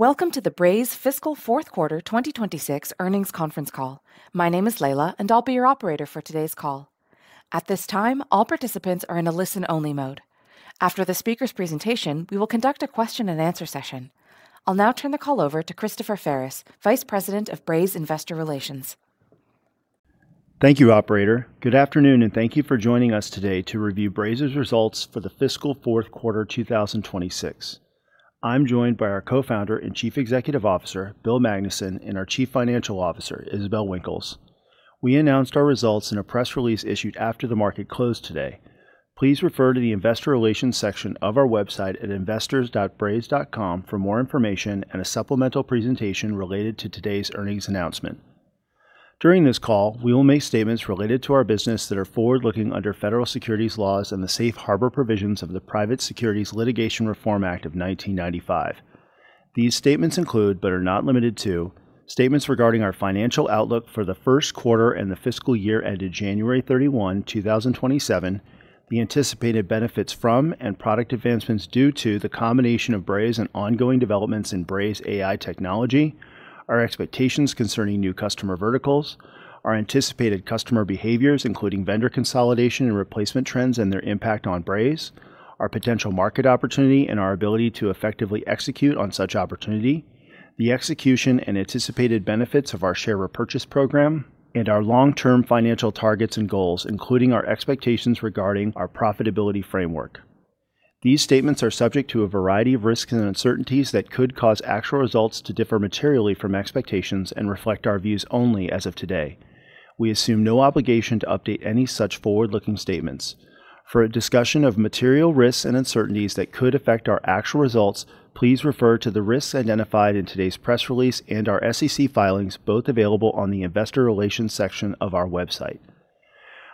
Welcome to the Braze Fiscal Fourth Quarter 2026 Earnings Conference Call. My name is Layla, and I'll be your Operator for today's call. At this time, all participants are in a listen-only mode. After the speaker's presentation, we will conduct a question-and-answer session. I'll now turn the call over to Christopher Ferris, Vice President of Braze Investor Relations. Thank you, Operator. Good afternoon and thank you for joining us today to review Braze's Results for the Fiscal Fourth Quarter 2026. I'm joined by our Co-founder and Chief Executive Officer, Bill Magnuson, and our Chief Financial Officer, Isabelle Winkles. We announced our results in a press release issued after the market closed today. Please refer to the investor relations section of our website at investors.braze.com for more information and a supplemental presentation related to today's earnings announcement. During this call, we will make statements related to our business that are forward-looking under federal securities laws and the safe harbor provisions of the Private Securities Litigation Reform Act of 1995. These statements include, but are not limited to, statements regarding our Financial Outlook for the First Quarter and the Fiscal Year ended January 31, 2027, the anticipated benefits from and product advancements due to the combination of Braze and ongoing developments in Braze AI technology, our expectations concerning new customer verticals, our anticipated customer behaviors, including vendor consolidation and replacement trends and their impact on Braze, our potential market opportunity and our ability to effectively execute on such opportunity, the execution and anticipated benefits of our share repurchase program, and our long-term financial targets and goals, including our expectations regarding our profitability framework. These statements are subject to a variety of risks and uncertainties that could cause actual results to differ materially from expectations and reflect our views only as of today. We assume no obligation to update any such forward-looking statements. For a discussion of material risks and uncertainties that could affect our actual results, please refer to the risks identified in today's press release and our SEC filings, both available on the investor relations section of our website.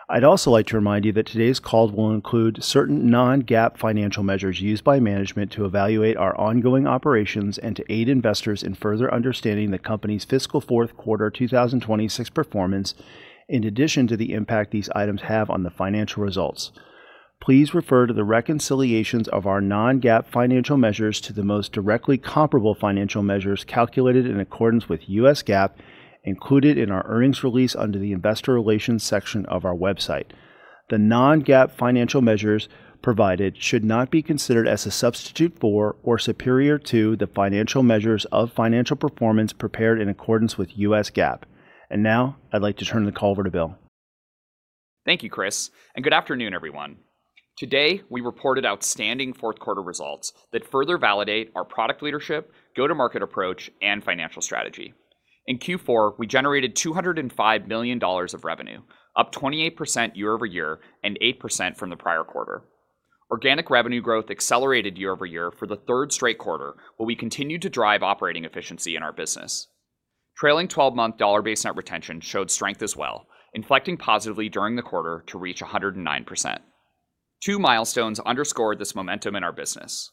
I'd also like to remind you that today's call will include certain non-GAAP financial measures used by management to evaluate our ongoing operations and to aid investors in further understanding the company's fiscal fourth quarter 2026 performance in addition to the impact these items have on the financial results. Please refer to the reconciliations of our non-GAAP financial measures to the most directly comparable financial measures calculated in accordance with U.S. GAAP included in our earnings release under the investor relations section of our website. The non-GAAP financial measures provided should not be considered as a substitute for or superior to the financial measures of financial performance prepared in accordance with U.S. GAAP. Now I'd like to turn the call over to Bill. Thank you, Christopher, and good afternoon, everyone. Today, we reported outstanding fourth quarter results that further validate our product leadership, go-to-market approach, and financial strategy. In Q4, we generated $205 million of revenue, up 28% year-over-year and 8% from the prior quarter. Organic revenue growth accelerated year-over-year for the third straight quarter, while we continued to drive operating efficiency in our business. Trailing 12-month dollar-based net retention showed strength as well, inflecting positively during the quarter to reach 109%. Two milestones underscored this momentum in our business.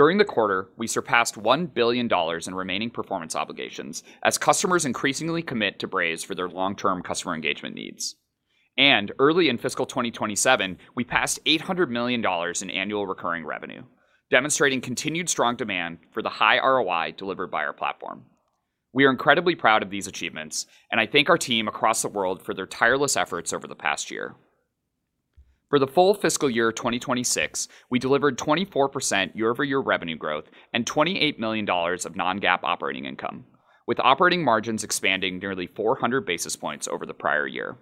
During the quarter, we surpassed $1 billion in remaining performance obligations as customers increasingly commit to Braze for their long-term customer engagement needs. Early in fiscal 2027, we passed $800 million in annual recurring revenue, demonstrating continued strong demand for the high ROI delivered by our platform. We are incredibly proud of these achievements, and I thank our team across the world for their tireless efforts over the past year. For the full fiscal year of 2026, we delivered 24% year-over-year revenue growth and $28 million of non-GAAP operating income, with operating margins expanding nearly 400 basis points over the prior year.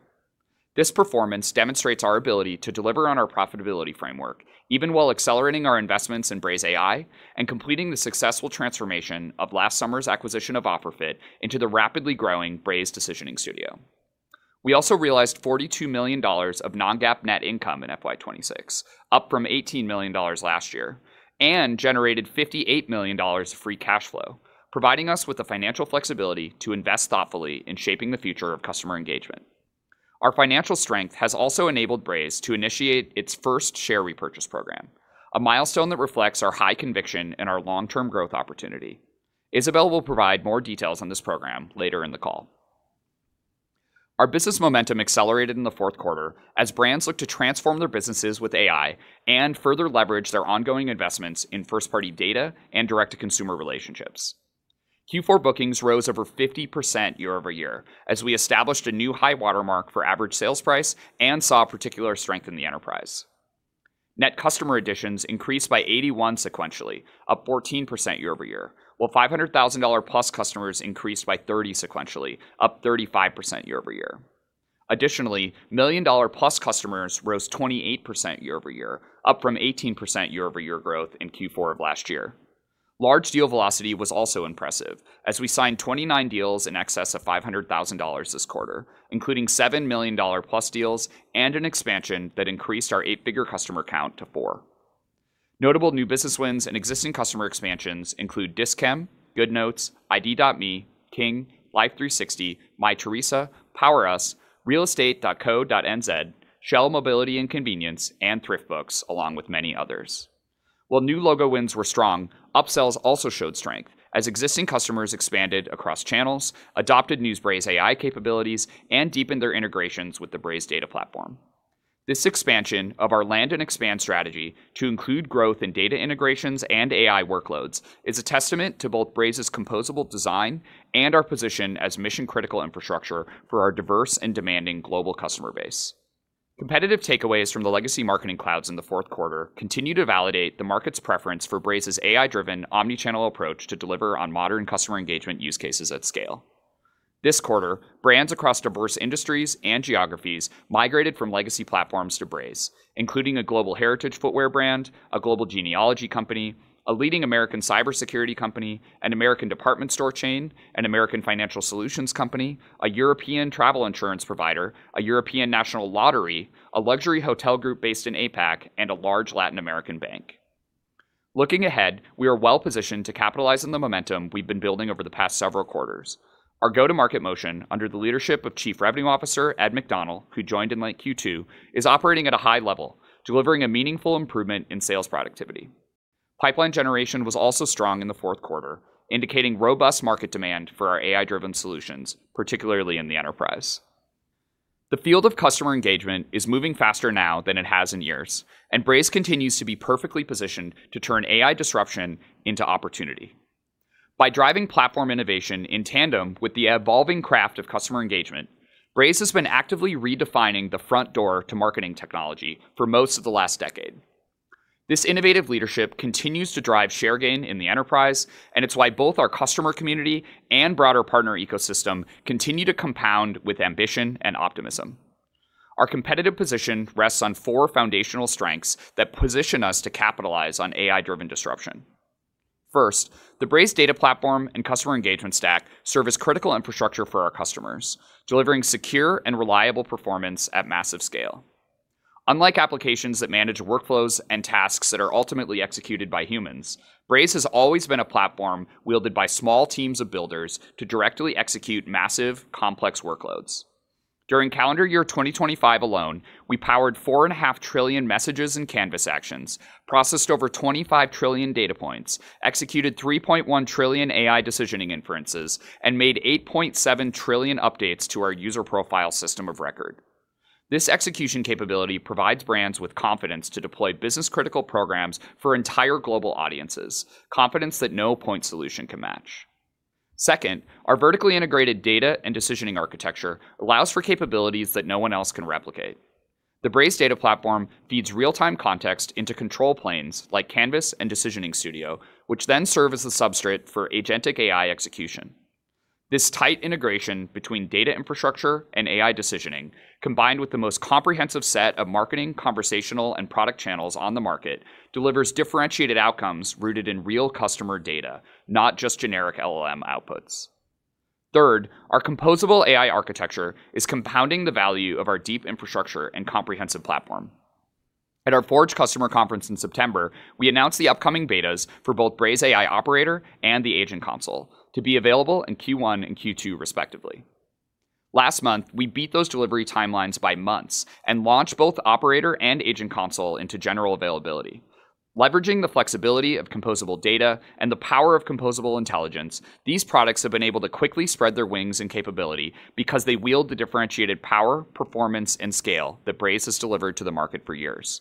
This performance demonstrates our ability to deliver on our profitability framework, even while accelerating our investments in BrazeAI and completing the successful transformation of last summer's acquisition of OfferFit into the rapidly growing BrazeAI Decisioning Studio. We also realized $42 million of non-GAAP net income in FY 2026, up from $18 million last year, and generated $58 million free cash flow, providing us with the financial flexibility to invest thoughtfully in shaping the future of customer engagement. Our financial strength has also enabled Braze to initiate its first share repurchase program, a milestone that reflects our high conviction in our long-term growth opportunity. Isabelle will provide more details on this program later in the call. Our business momentum accelerated in the fourth quarter as brands look to transform their businesses with AI and further leverage their ongoing investments in first-party data and direct-to-consumer relationships. Q4 bookings rose over 50% year-over-year as we established a new high water mark for average sales price and saw particular strength in the enterprise. Net customer additions increased by 81 sequentially, up 14% year-over-year, while $500,000-plus customers increased by 30 sequentially, up 35% year-over-year. Additionally, $1 million-plus customers rose 28% year-over-year, up from 18% year-over-year growth in Q4 of last year. Large deal velocity was also impressive as we signed 29 deals in excess of $500,000 this quarter, including seven $1 million-plus deals and an expansion that increased our eight-figure customer count to 4. Notable new business wins and existing customer expansions include Dis-Chem, Goodnotes, ID.me, King, Life360, Mytheresa, PowerUs, realestate.co.nz, Shell Mobility & Convenience, and ThriftBooks, along with many others. While new logo wins were strong, upsells also showed strength as existing customers expanded across channels, adopted new Braze AI capabilities, and deepened their integrations with the Braze Data Platform. This expansion of our land and expand strategy to include growth in data integrations and AI workloads is a testament to both Braze's composable design and our position as mission-critical infrastructure for our diverse and demanding global customer base. Competitive takeaways from the legacy marketing clouds in the fourth quarter continue to validate the market's preference for Braze's AI-driven omni-channel approach to deliver on modern customer engagement use cases at scale. This quarter, brands across diverse industries and geographies migrated from legacy platforms to Braze, including a global heritage footwear brand, a global genealogy company, a leading American cybersecurity company, an American department store chain, an American financial solutions company, a European travel insurance provider, a European national lottery, a luxury hotel group based in APAC, and a large Latin American bank. Looking ahead, we are well-positioned to capitalize on the momentum we've been building over the past several quarters. Our go-to-market motion under the leadership of Chief Revenue Officer Ed McDonnell, who joined in like Q2, is operating at a high level, delivering a meaningful improvement in sales productivity. Pipeline generation was also strong in the fourth quarter, indicating robust market demand for our AI-driven solutions, particularly in the enterprise. The field of customer engagement is moving faster now than it has in years, and Braze continues to be perfectly positioned to turn AI disruption into opportunity. By driving platform innovation in tandem with the evolving craft of customer engagement, Braze has been actively redefining the front door to marketing technology for most of the last decade. This innovative leadership continues to drive share gain in the enterprise, and it's why both our customer community and broader partner ecosystem continue to compound with ambition and optimism. Our competitive position rests on four foundational strengths that position us to capitalize on AI-driven disruption. First, the Braze Data Platform and customer engagement stack serve as critical infrastructure for our customers, delivering secure and reliable performance at massive scale. Unlike applications that manage workflows and tasks that are ultimately executed by humans, Braze has always been a platform wielded by small teams of builders to directly execute massive, complex workloads. During calendar year 2025 alone, we powered 4.5 trillion messages and Canvas actions, processed over 25 trillion data points, executed 3.1 trillion AI decisioning inferences, and made 8.7 trillion updates to our user profile system of record. This execution capability provides brands with confidence to deploy business-critical programs for entire global audiences, confidence that no point solution can match. Second, our vertically integrated data and decisioning architecture allows for capabilities that no one else can replicate. The Braze Data Platform feeds real-time context into control planes like Canvas and Decisioning Studio, which then serve as the substrate for agentic AI execution. This tight integration between data infrastructure and AI decisioning, combined with the most comprehensive set of marketing, conversational, and product channels on the market, delivers differentiated outcomes rooted in real customer data, not just generic LLM outputs. Third, our composable AI architecture is compounding the value of our deep infrastructure and comprehensive platform. At our Forge customer conference in September, we announced the upcoming betas for both BrazeAI Operator and the Agent Console to be available in Q1 and Q2 respectively. Last month, we beat those delivery timelines by months and launched both Operator and Agent Console into general availability. Leveraging the flexibility of composable data and the power of composable intelligence, these products have been able to quickly spread their wings and capability because they wield the differentiated power, performance, and scale that Braze has delivered to the market for years.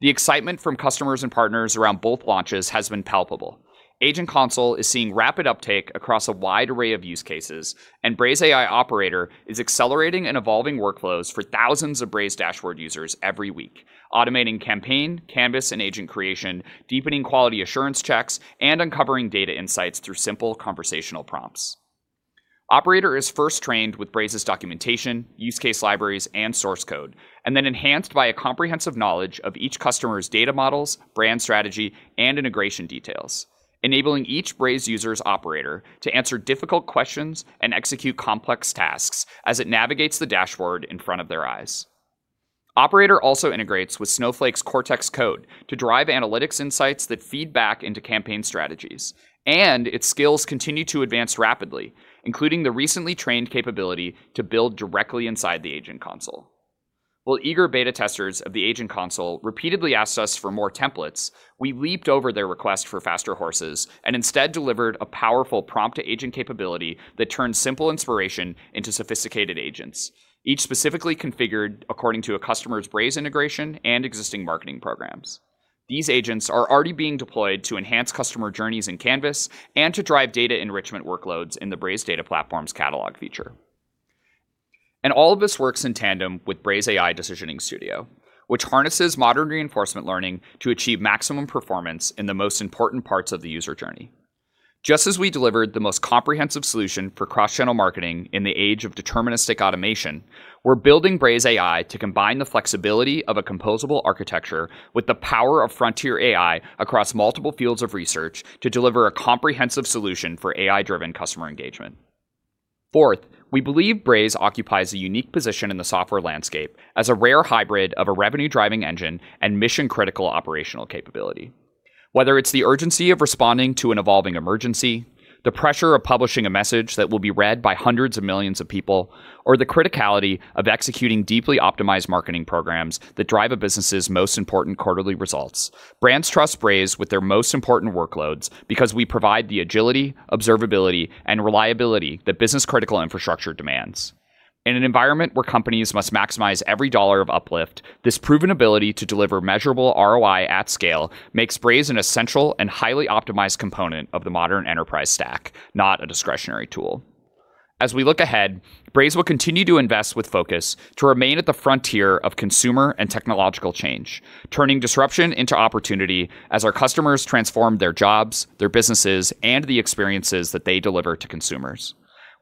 The excitement from customers and partners around both launches has been palpable. Agent Console is seeing rapid uptake across a wide array of use cases, and BrazeAI Operator is accelerating and evolving workflows for thousands of Braze dashboard users every week, automating campaign, Canvas, and agent creation, deepening quality assurance checks, and uncovering data insights through simple conversational prompts. Operator is first trained with Braze's documentation, use case libraries, and source code, and then enhanced by a comprehensive knowledge of each customer's data models, brand strategy, and integration details, enabling each Braze user's operator to answer difficult questions and execute complex tasks as it navigates the dashboard in front of their eyes. Operator also integrates with Snowflake Cortex Code to drive analytics insights that feed back into campaign strategies, and its skills continue to advance rapidly, including the recently trained capability to build directly inside the Agent Console. While eager beta testers of the Agent Console repeatedly asked us for more templates, we leaped over their request for faster horses and instead delivered a powerful prompt-to-agent capability that turns simple inspiration into sophisticated agents, each specifically configured according to a customer's Braze integration and existing marketing programs. These agents are already being deployed to enhance customer journeys in Canvas and to drive data enrichment workloads in the Braze Data Platform's catalog feature. All of this works in tandem with BrazeAI Decisioning Studio, which harnesses modern reinforcement learning to achieve maximum performance in the most important parts of the user journey. Just as we delivered the most comprehensive solution for cross-channel marketing in the age of deterministic automation, we're building BrazeAI to combine the flexibility of a composable architecture with the power of frontier AI across multiple fields of research to deliver a comprehensive solution for AI-driven customer engagement. Fourth, we believe Braze occupies a unique position in the software landscape as a rare hybrid of a revenue-driving engine and mission-critical operational capability. Whether it's the urgency of responding to an evolving emergency, the pressure of publishing a message that will be read by hundreds of millions of people, or the criticality of executing deeply optimized marketing programs that drive a business's most important quarterly results, brands trust Braze with their most important workloads because we provide the agility, observability, and reliability that business-critical infrastructure demands. In an environment where companies must maximize every dollar of uplift, this proven ability to deliver measurable ROI at scale makes Braze an essential and highly optimized component of the modern enterprise stack, not a discretionary tool. As we look ahead, Braze will continue to invest with focus to remain at the frontier of consumer and technological change, turning disruption into opportunity as our customers transform their jobs, their businesses, and the experiences that they deliver to consumers.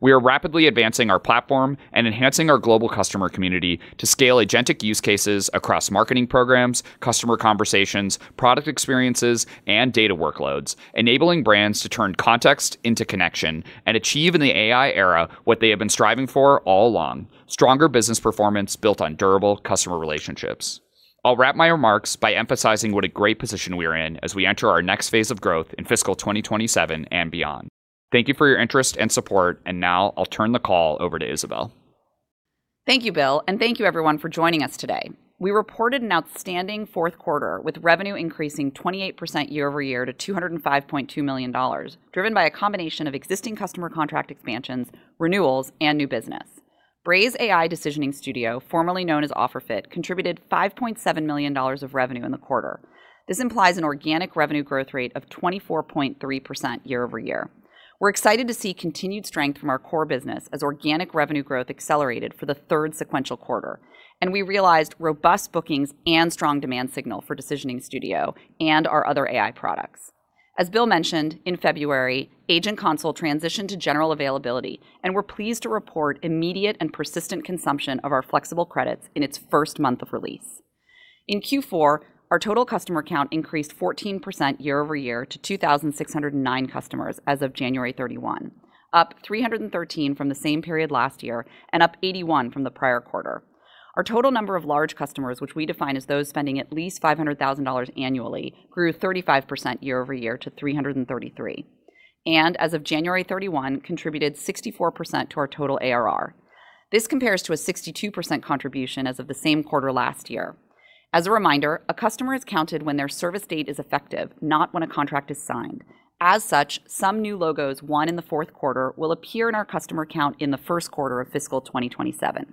We are rapidly advancing our platform and enhancing our global customer community to scale agentic use cases across marketing programs, customer conversations, product experiences, and data workloads, enabling brands to turn context into connection and achieve in the AI era what they have been striving for all along, stronger business performance built on durable customer relationships. I'll wrap my remarks by emphasizing what a great position we are in as we enter our next phase of growth in fiscal 2027 and beyond. Thank you for your interest and support, and now I'll turn the call over to Isabelle. Thank you, Bill, and thank you everyone for joining us today. We reported an outstanding fourth quarter with revenue increasing 28% year-over-year to $205.2 million, driven by a combination of existing customer contract expansions, renewals, and new business. BrazeAI Decisioning Studio, formerly known as OfferFit, contributed $5.7 million of revenue in the quarter. This implies an organic revenue growth rate of 24.3% year-over-year. We're excited to see continued strength from our core business as organic revenue growth accelerated for the third sequential quarter, and we realized robust bookings and strong demand signal for Decisioning Studio and our other AI products. As Bill mentioned, in February, Agent Console transitioned to general availability, and we're pleased to report immediate and persistent consumption of our flexible credits in its first month of release. In Q4, our total customer count increased 14% year-over-year to 2,609 customers as of January 31, up 313 from the same period last year and up 81 from the prior quarter. Our total number of large customers, which we define as those spending at least $500,000 annually, grew 35% year-over-year to 333, and as of January 31, contributed 64% to our total ARR. This compares to a 62% contribution as of the same quarter last year. As a reminder, a customer is counted when their service date is effective, not when a contract is signed. As such, some new logos won in the fourth quarter will appear in our customer count in the first quarter of fiscal 2027.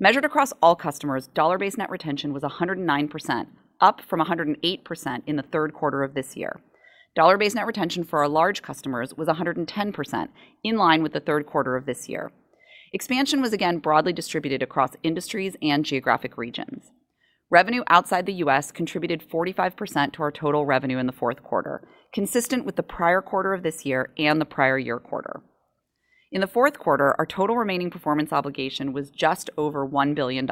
Measured across all customers, dollar-based net retention was 109%, up from 108% in the third quarter of this year. Dollar-based net retention for our large customers was 110%, in line with the third quarter of this year. Expansion was again broadly distributed across industries and geographic regions. Revenue outside the U.S. contributed 45% to our total revenue in the fourth quarter, consistent with the prior quarter of this year and the prior year quarter. In the fourth quarter, our total remaining performance obligation was just over $1 billion,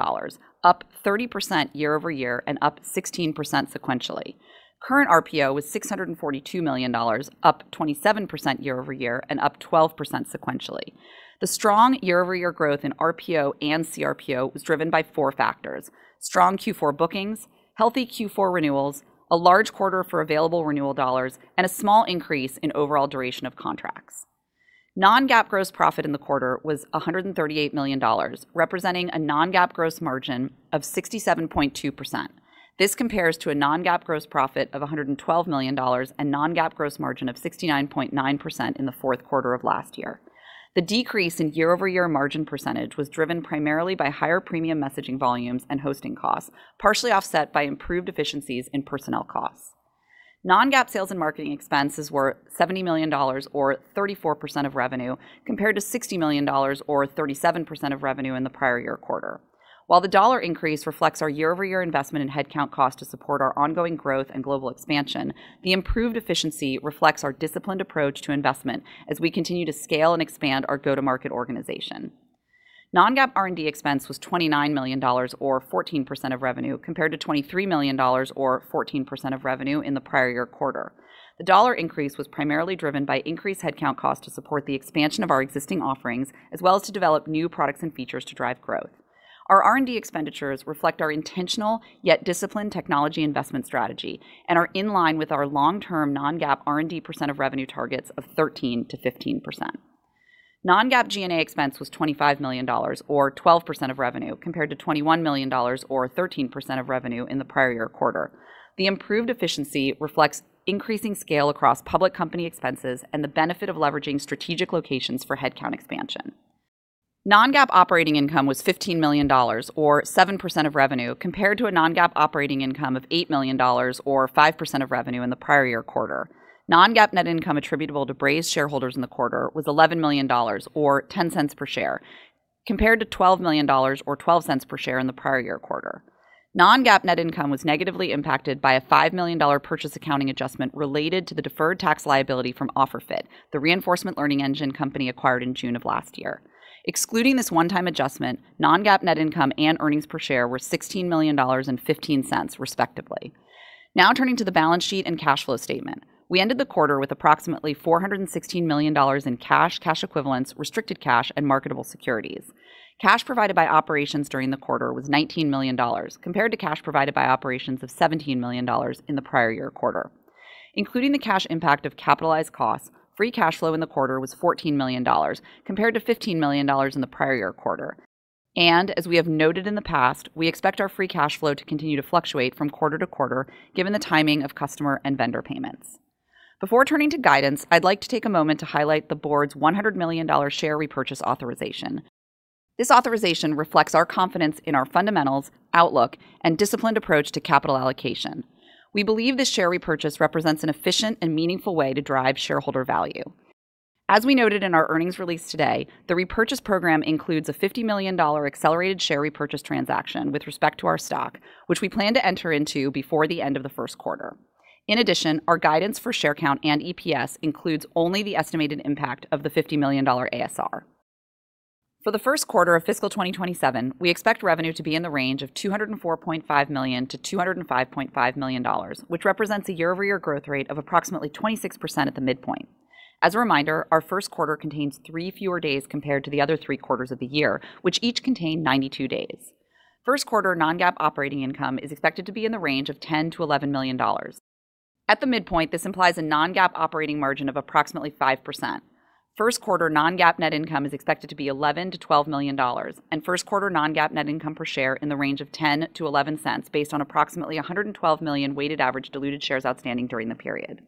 up 30% year-over-year and up 16% sequentially. Current RPO was $642 million, up 27% year-over-year and up 12% sequentially. The strong year-over-year growth in RPO and CRPO was driven by four factors, strong Q4 bookings, healthy Q4 renewals, a large quarter for available renewal dollars, and a small increase in overall duration of contracts. non-GAAP gross profit in the quarter was $138 million, representing a non-GAAP gross margin of 67.2%. This compares to a non-GAAP gross profit of $112 million and non-GAAP gross margin of 69.9% in the fourth quarter of last year. The decrease in year-over-year margin percentage was driven primarily by higher premium messaging volumes and hosting costs, partially offset by improved efficiencies in personnel costs. non-GAAP sales and marketing expenses were $70 million or 34% of revenue, compared to $60 million or 37% of revenue in the prior year quarter. While the dollar increase reflects our year-over-year investment in headcount costs to support our ongoing growth and global expansion, the improved efficiency reflects our disciplined approach to investment as we continue to scale and expand our go-to-market organization. Non-GAAP R&D expense was $29 million or 14% of revenue, compared to $23 million or 14% of revenue in the prior year quarter. The dollar increase was primarily driven by increased headcount costs to support the expansion of our existing offerings, as well as to develop new products and features to drive growth. Our R&D expenditures reflect our intentional yet disciplined technology investment strategy and are in line with our long-term non-GAAP R&D percent of revenue targets of 13%-15%. Non-GAAP G&A expense was $25 million or 12% of revenue, compared to $21 million or 13% of revenue in the prior year quarter. The improved efficiency reflects increasing scale across public company expenses and the benefit of leveraging strategic locations for headcount expansion. Non-GAAP operating income was $15 million or 7% of revenue, compared to a non-GAAP operating income of $8 million or 5% of revenue in the prior year quarter. Non-GAAP net income attributable to Braze shareholders in the quarter was $11 million or $0.10 per share, compared to $12 million or $0.12 per share in the prior year quarter. Non-GAAP net income was negatively impacted by a $5 million purchase accounting adjustment related to the deferred tax liability from OfferFit, the reinforcement learning engine company acquired in June of last year. Excluding this one-time adjustment, non-GAAP net income and earnings per share were $16 million and $0.15, respectively. Now turning to the balance sheet and cash flow statement. We ended the quarter with approximately $416 million in cash equivalents, restricted cash, and marketable securities. Cash provided by operations during the quarter was $19 million, compared to cash provided by operations of $17 million in the prior year quarter. Including the cash impact of capitalized costs, free cash flow in the quarter was $14 million, compared to $15 million in the prior year quarter. As we have noted in the past, we expect our free cash flow to continue to fluctuate from quarter to quarter given the timing of customer and vendor payments. Before turning to guidance, I'd like to take a moment to highlight the board's $100 million share repurchase authorization. This authorization reflects our confidence in our fundamentals, outlook, and disciplined approach to capital allocation. We believe this share repurchase represents an efficient and meaningful way to drive shareholder value. As we noted in our earnings release today, the repurchase program includes a $50 million accelerated share repurchase transaction with respect to our stock, which we plan to enter into before the end of the first quarter. In addition, our guidance for share count and EPS includes only the estimated impact of the $50 million ASR. For the first quarter of fiscal 2027, we expect revenue to be in the range of $204.5 million-$205.5 million, which represents a year-over-year growth rate of approximately 26% at the midpoint. As a reminder, our first quarter contains 3 fewer days compared to the other three quarters of the year, which each contain 92 days. First quarter non-GAAP operating income is expected to be in the range of $10 million-$11 million. At the midpoint, this implies a non-GAAP operating margin of approximately 5%. First quarter non-GAAP net income is expected to be $11 million-$12 million, and first quarter non-GAAP net income per share in the range of $0.10-$0.11 based on approximately 112 million weighted average diluted shares outstanding during the period.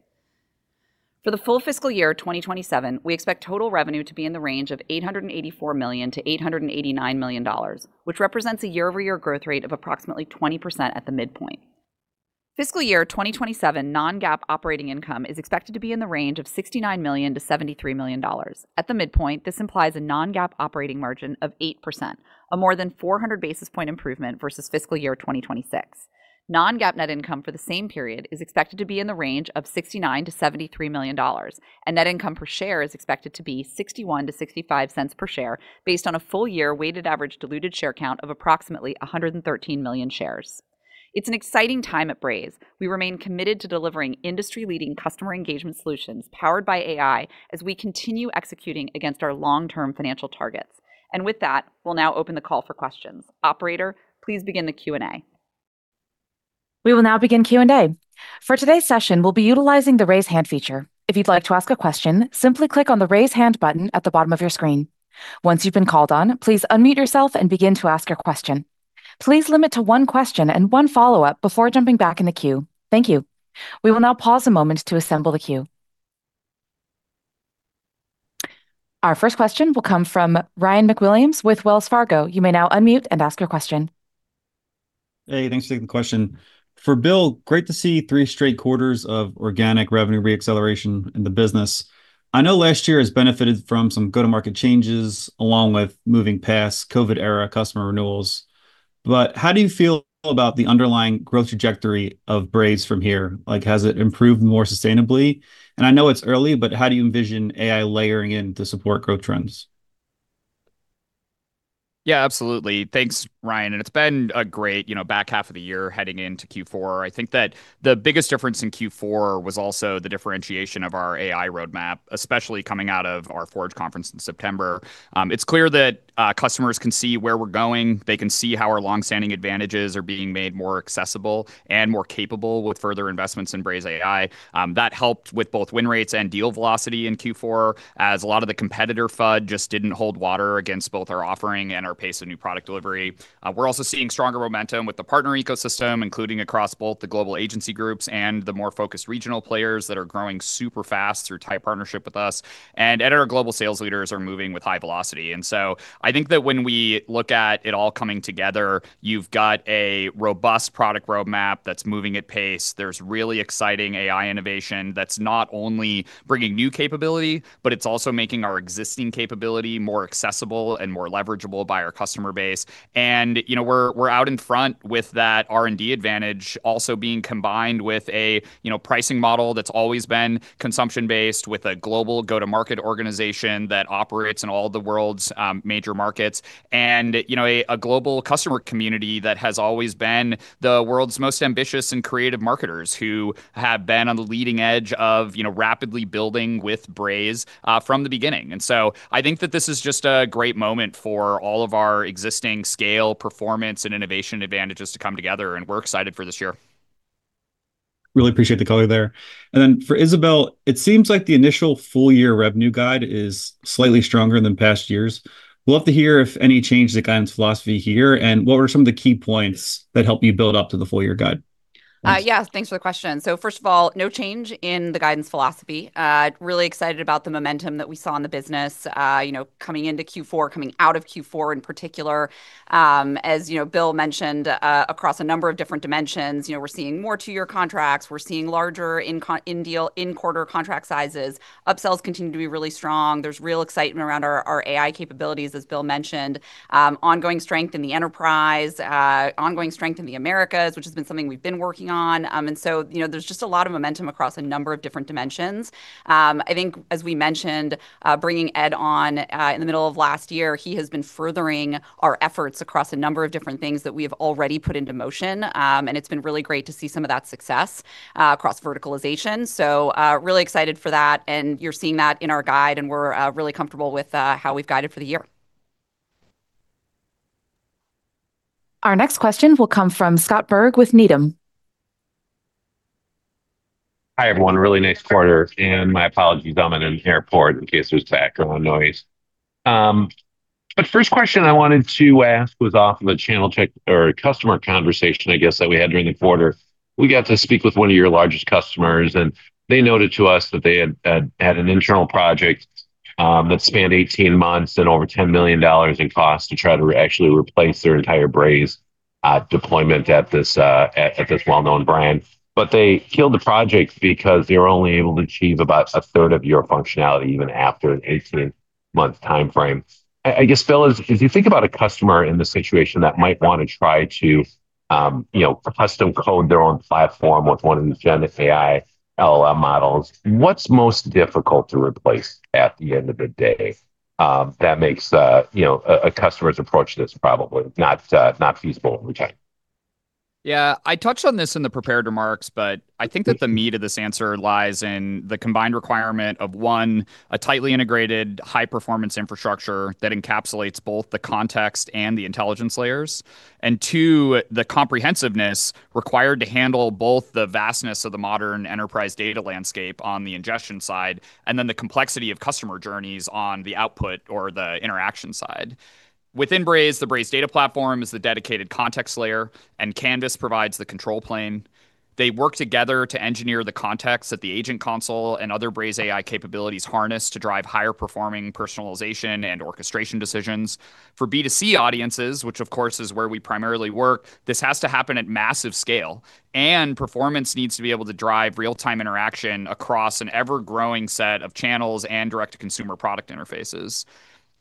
For the full fiscal year 2027, we expect total revenue to be in the range of $884 million-$889 million, which represents a year-over-year growth rate of approximately 20% at the midpoint. Fiscal year 2027 non-GAAP operating income is expected to be in the range of $69 million-$73 million. At the midpoint, this implies a non-GAAP operating margin of 8%, a more than 400 basis point improvement versus fiscal year 2026. Non-GAAP net income for the same period is expected to be in the range of $69 million-$73 million, and net income per share is expected to be $0.61-$0.65 based on a full year weighted average diluted share count of approximately 113 million shares. It's an exciting time at Braze. We remain committed to delivering industry-leading customer engagement solutions powered by AI as we continue executing against our long-term financial targets. With that, we'll now open the call for questions. Operator, please begin the Q&A. We will now begin Q&A. For today's session, we'll be utilizing the raise hand feature. If you'd like to ask a question, simply click on the raise hand button at the bottom of your screen. Once you've been called on, please unmute yourself and begin to ask your question. Please limit to one question and one follow-up before jumping back in the queue. Thank you. We will now pause a moment to assemble the queue. Our first question will come from Ryan MacWilliams with Wells Fargo. You may now unmute and ask your question. Hey, thanks for taking the question. For Bill, great to see three straight quarters of organic revenue re-acceleration in the business. I know last year has benefited from some go-to-market changes along with moving past COVID era customer renewals. How do you feel about the underlying growth trajectory of Braze from here? Like, has it improved more sustainably? I know it's early, but how do you envision AI layering in to support growth trends? Yeah, absolutely. Thanks, Ryan, and it's been a great, you know, back half of the year heading into Q4. I think that the biggest difference in Q4 was also the differentiation of our AI roadmap, especially coming out of our Forge conference in September. It's clear that customers can see where we're going. They can see how our long-standing advantages are being made more accessible and more capable with further investments in BrazeAI. That helped with both win rates and deal velocity in Q4, as a lot of the competitor FUD just didn't hold water against both our offering and our pace of new product delivery. We're also seeing stronger momentum with the partner ecosystem, including across both the global agency groups and the more focused regional players that are growing super fast through tight partnership with us. Ed and our global sales leaders are moving with high velocity. I think that when we look at it all coming together, you've got a robust product roadmap that's moving at pace. There's really exciting AI innovation that's not only bringing new capability, but it's also making our existing capability more accessible and more leverageable by our customer base. You know, we're out in front with that R&D advantage also being combined with a, you know, pricing model that's always been consumption-based with a global go-to-market organization that operates in all the world's major markets. You know, a global customer community that has always been the world's most ambitious and creative marketers who have been on the leading edge of, you know, rapidly building with Braze from the beginning. I think that this is just a great moment for all of our existing scale, performance, and innovation advantages to come together, and we're excited for this year. Really appreciate the color there. For Isabelle, it seems like the initial full year revenue guide is slightly stronger than past years. Would love to hear if any change to the guidance philosophy here, and what were some of the key points that helped you build up to the full year guide? Yeah. Thanks for the question. First of all, no change in the guidance philosophy. Really excited about the momentum that we saw in the business, you know, coming into Q4, coming out of Q4 in particular. As you know, Bill mentioned, across a number of different dimensions. You know, we're seeing more two-year contracts. We're seeing larger in deal, in quarter contract sizes. Upsells continue to be really strong. There's real excitement around our AI capabilities, as Bill mentioned. Ongoing strength in the enterprise, ongoing strength in the Americas, which has been something we've been working on. You know, there's just a lot of momentum across a number of different dimensions. I think as we mentioned, bringing Ed on in the middle of last year, he has been furthering our efforts across a number of different things that we have already put into motion. It's been really great to see some of that success across verticalization. Really excited for that, and you're seeing that in our guide, and we're really comfortable with how we've guided for the year. Our next question will come from Scott Berg with Needham & Company. Hi, everyone. Really nice quarter, and my apologies, I'm in an airport in case there's background noise. First question I wanted to ask was off of a channel check or customer conversation, I guess, that we had during the quarter. We got to speak with one of your largest customers, and they noted to us that they had an internal project that spanned 18 months and over $10 million in costs to try to actually replace their entire Braze deployment at this well-known brand. They killed the project because they were only able to achieve about a third of your functionality even after an 18-month timeframe. I guess, Bill, as you think about a customer in this situation that might wanna try to, you know, custom code their own platform with one of the generative AI LLM models, what's most difficult to replace at the end of the day, that makes a customer's approach that's probably not feasible over time? Yeah. I touched on this in the prepared remarks, but I think that the meat of this answer lies in the combined requirement of, one, a tightly integrated high-performance infrastructure that encapsulates both the context and the intelligence layers. Two, the comprehensiveness required to handle both the vastness of the modern enterprise data landscape on the ingestion side, and then the complexity of customer journeys on the output or the interaction side. Within Braze, the Braze Data Platform is the dedicated context layer, and Canvas provides the control plane. They work together to engineer the context that the Agent Console and other BrazeAI capabilities harness to drive higher performing personalization and orchestration decisions. For B2C audiences, which of course is where we primarily work, this has to happen at massive scale, and performance needs to be able to drive real-time interaction across an ever-growing set of channels and direct-to-consumer product interfaces.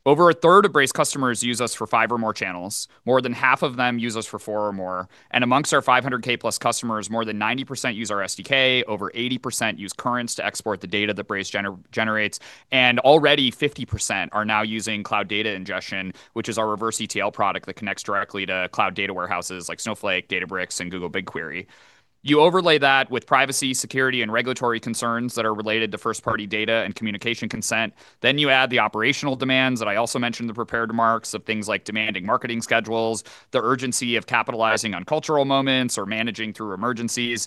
Over a third of Braze customers use us for 5 or more channels. More than half of them use us for 4 or more. Amongst our 500K+ customers, more than 90% use our SDK, over 80% use Currents to export the data that Braze generates, and already 50% are now using cloud data ingestion, which is our reverse ETL product that connects directly to cloud data warehouses like Snowflake, Databricks, and Google BigQuery. You overlay that with privacy, security, and regulatory concerns that are related to first-party data and communication consent. You add the operational demands that I also mentioned in the prepared remarks of things like demanding marketing schedules, the urgency of capitalizing on cultural moments or managing through emergencies.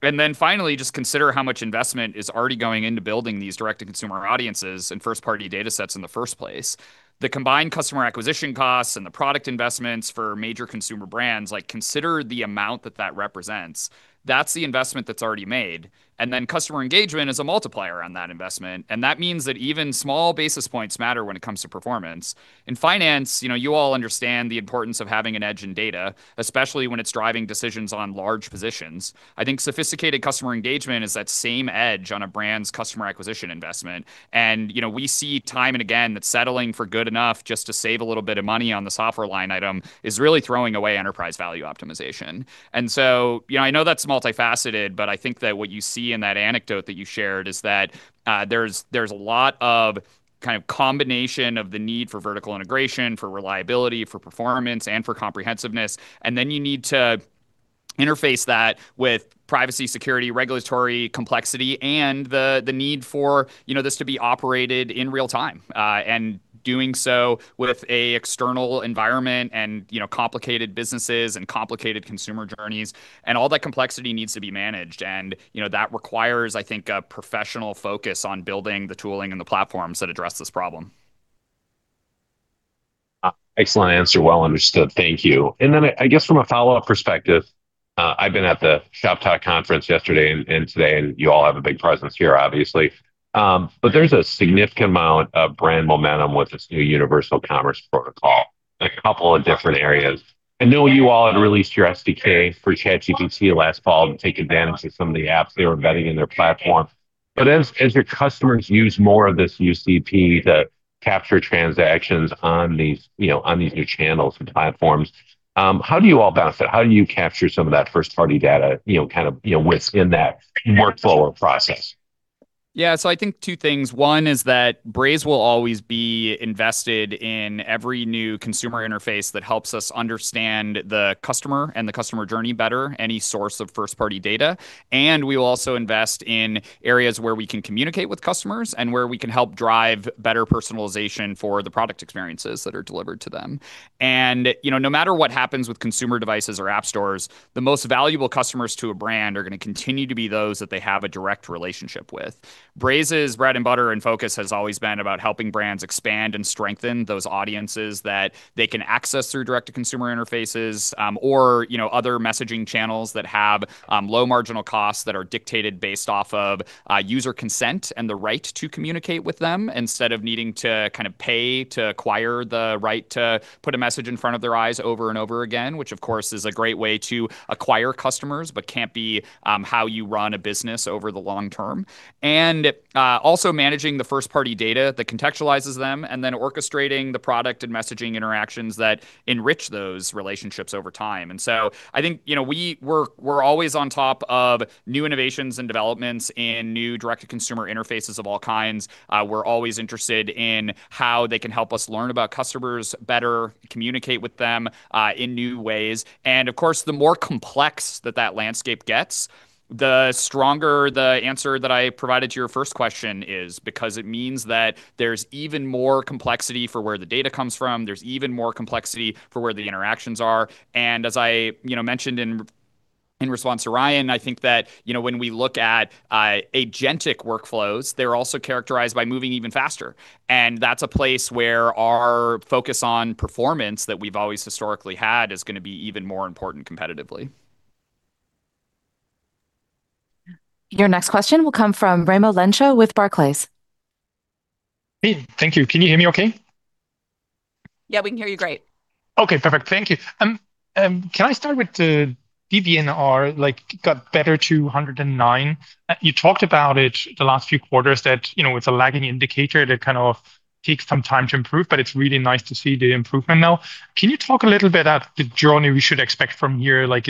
Just consider how much investment is already going into building these direct-to-consumer audiences and first-party datasets in the first place. The combined customer acquisition costs and the product investments for major consumer brands, like, consider the amount that that represents. That's the investment that's already made, and then customer engagement is a multiplier on that investment, and that means that even small basis points matter when it comes to performance. In finance, you know, you all understand the importance of having an edge in data, especially when it's driving decisions on large positions. I think sophisticated customer engagement is that same edge on a brand's customer acquisition investment. You know, we see time and again that settling for good enough just to save a little bit of money on the software line item is really throwing away enterprise value optimization. You know, I know that's multifaceted, but I think that what you see in that anecdote that you shared is that, there's a lot of kind of combination of the need for vertical integration, for reliability, for performance, and for comprehensiveness. You need to interface that with privacy, security, regulatory complexity, and the need for, you know, this to be operated in real time. Doing so with a external environment and, you know, complicated businesses and complicated consumer journeys, and all that complexity needs to be managed. You know, that requires, I think, a professional focus on building the tooling and the platforms that address this problem. Excellent answer. Well understood. Thank you. I guess from a follow-up perspective, I've been at the Shoptalk conference yesterday and today, and you all have a big presence here, obviously. There's a significant amount of brand momentum with this new universal commerce protocol in a couple of different areas. I know you all had released your SDK for ChatGPT last fall to take advantage of some of the apps they were embedding in their platform. As your customers use more of this UCP to capture transactions on these, you know, on these new channels and platforms, how do you all benefit? How do you capture some of that first-party data, you know, kind of, you know, within that workflow or process? Yeah. I think two things. One is that Braze will always be invested in every new consumer interface that helps us understand the customer and the customer journey better, any source of first-party data. We will also invest in areas where we can communicate with customers and where we can help drive better personalization for the product experiences that are delivered to them. You know, no matter what happens with consumer devices or app stores, the most valuable customers to a brand are gonna continue to be those that they have a direct relationship with. Braze's bread and butter and focus has always been about helping brands expand and strengthen those audiences that they can access through direct-to-consumer interfaces, or you know, other messaging channels that have low marginal costs that are dictated based off of user consent and the right to communicate with them, instead of needing to kind of pay to acquire the right to put a message in front of their eyes over and over again, which of course is a great way to acquire customers, but can't be how you run a business over the long term. Also managing the first-party data that contextualizes them, and then orchestrating the product and messaging interactions that enrich those relationships over time. I think, you know, we're always on top of new innovations and developments in new direct-to-consumer interfaces of all kinds. We're always interested in how they can help us learn about customers better, communicate with them in new ways. Of course, the more complex that landscape gets, the stronger the answer that I provided to your first question is because it means that there's even more complexity for where the data comes from. There's even more complexity for where the interactions are. As I, you know, mentioned in response to Ryan, I think that, you know, when we look at agentic workflows, they're also characterized by moving even faster. That's a place where our focus on performance that we've always historically had is gonna be even more important competitively. Your next question will come from Raimo Lenschow with Barclays. Hey, thank you. Can you hear me okay? Yeah, we can hear you great. Okay, perfect. Thank you. Can I start with the DBNR, like, got better to 109. You talked about it the last few quarters that, you know, it's a lagging indicator that kind of takes some time to improve, but it's really nice to see the improvement now. Can you talk a little bit about the journey we should expect from here? Like,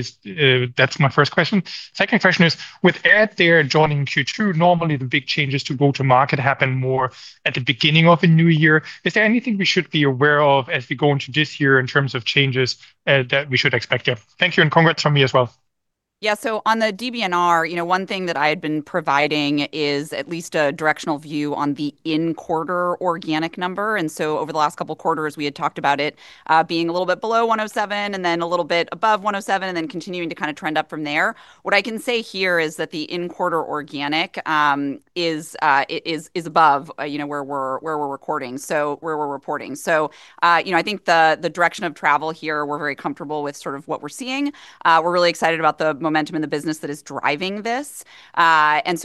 that's my first question. Second question is, with Ed McDonnell joining Q2, normally the big changes to go-to-market happen more at the beginning of a new year. Is there anything we should be aware of as we go into this year in terms of changes that we should expect here? Thank you, and congrats from me as well. Yeah. On the DBNR, you know, one thing that I had been providing is at least a directional view on the in-quarter organic number. Over the last couple quarters, we had talked about it being a little bit below 107% and then a little bit above 107% and then continuing to kinda trend up from there. What I can say here is that the in-quarter organic is above you know where we're recording, so where we're reporting. I think the direction of travel here, we're very comfortable with sort of what we're seeing. We're really excited about the momentum in the business that is driving this.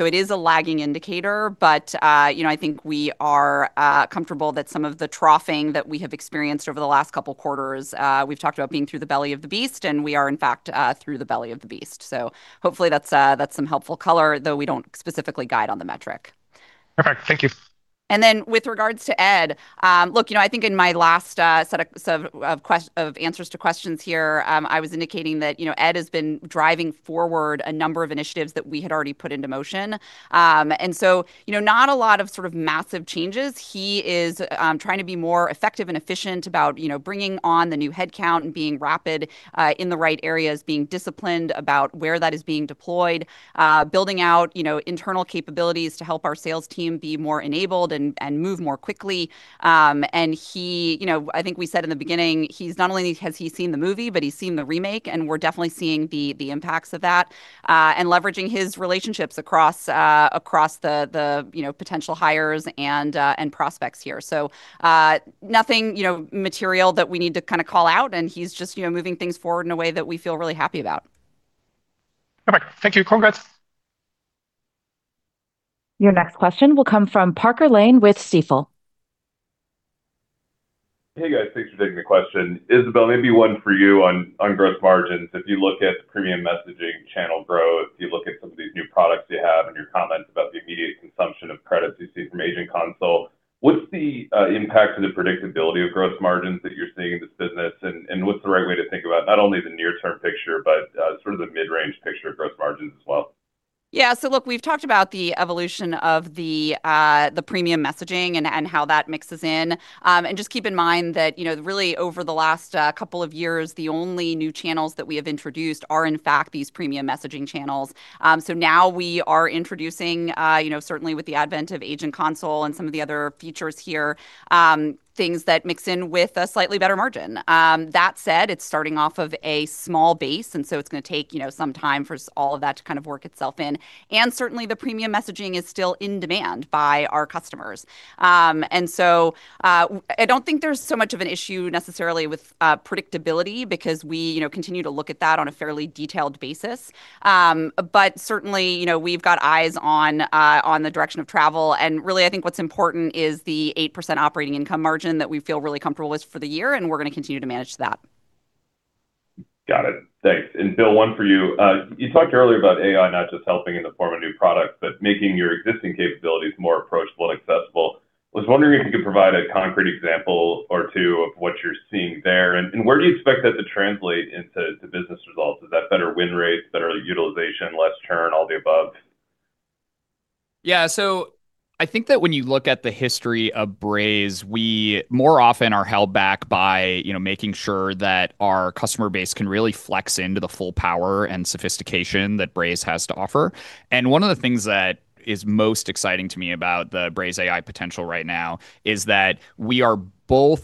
It is a lagging indicator, but you know, I think we are comfortable that some of the troughing that we have experienced over the last couple quarters. We've talked about being through the belly of the beast, and we are in fact through the belly of the beast. Hopefully that's some helpful color, though we don't specifically guide on the metric. Perfect. Thank you. With regards to Ed, look, you know, I think in my last set of answers to questions here, I was indicating that, you know, Ed has been driving forward a number of initiatives that we had already put into motion. You know, not a lot of sort of massive changes. He is trying to be more effective and efficient about, you know, bringing on the new headcount and being rapid in the right areas, being disciplined about where that is being deployed, building out, you know, internal capabilities to help our sales team be more enabled and move more quickly. He, you know, I think we said in the beginning, he's not only has he seen the movie, but he's seen the remake, and we're definitely seeing the impacts of that and leveraging his relationships across the potential hires and prospects here. Nothing, you know, material that we need to kinda call out, and he's just, you know, moving things forward in a way that we feel really happy about. Perfect. Thank you. Congrats. Your next question will come from Parker Lane with Stifel. Hey, guys. Thanks for taking the question. Isabelle, maybe one for you on gross margins. If you look at the premium messaging channel growth, you look at some of these new products you have and your comments about the immediate consumption of credits you see from Agent Console, what's the impact to the predictability of gross margins that you're seeing in this business? And what's the right way to think about not only the near-term picture, but sort of the mid-range picture of gross margins as well? Yeah. Look, we've talked about the evolution of the premium messaging and how that mixes in. Just keep in mind that, you know, really over the last couple of years, the only new channels that we have introduced are in fact these premium messaging channels. Now we are introducing, you know, certainly with the advent of Agent Console and some of the other features here, things that mix in with a slightly better margin. That said, it's starting off of a small base, and so it's gonna take, you know, some time for all of that to kind of work itself in. Certainly, the premium messaging is still in demand by our customers. I don't think there's so much of an issue necessarily with predictability because we, you know, continue to look at that on a fairly detailed basis. Certainly, you know, we've got eyes on the direction of travel, and really I think what's important is the 8% operating income margin that we feel really comfortable with for the year, and we're gonna continue to manage that. Got it. Thanks. Bill, one for you. You talked earlier about AI not just helping in the form of new products but making your existing capabilities more approachable and accessible. I was wondering if you could provide a concrete example or two of what you're seeing there. Where do you expect that to translate into business results? Is that better win rates, better utilization, less churn, all the above? Yeah. I think that when you look at the history of Braze, we more often are held back by, you know, making sure that our customer base can really flex into the full power and sophistication that Braze has to offer. One of the things that is most exciting to me about the BrazeAI potential right now is that we are both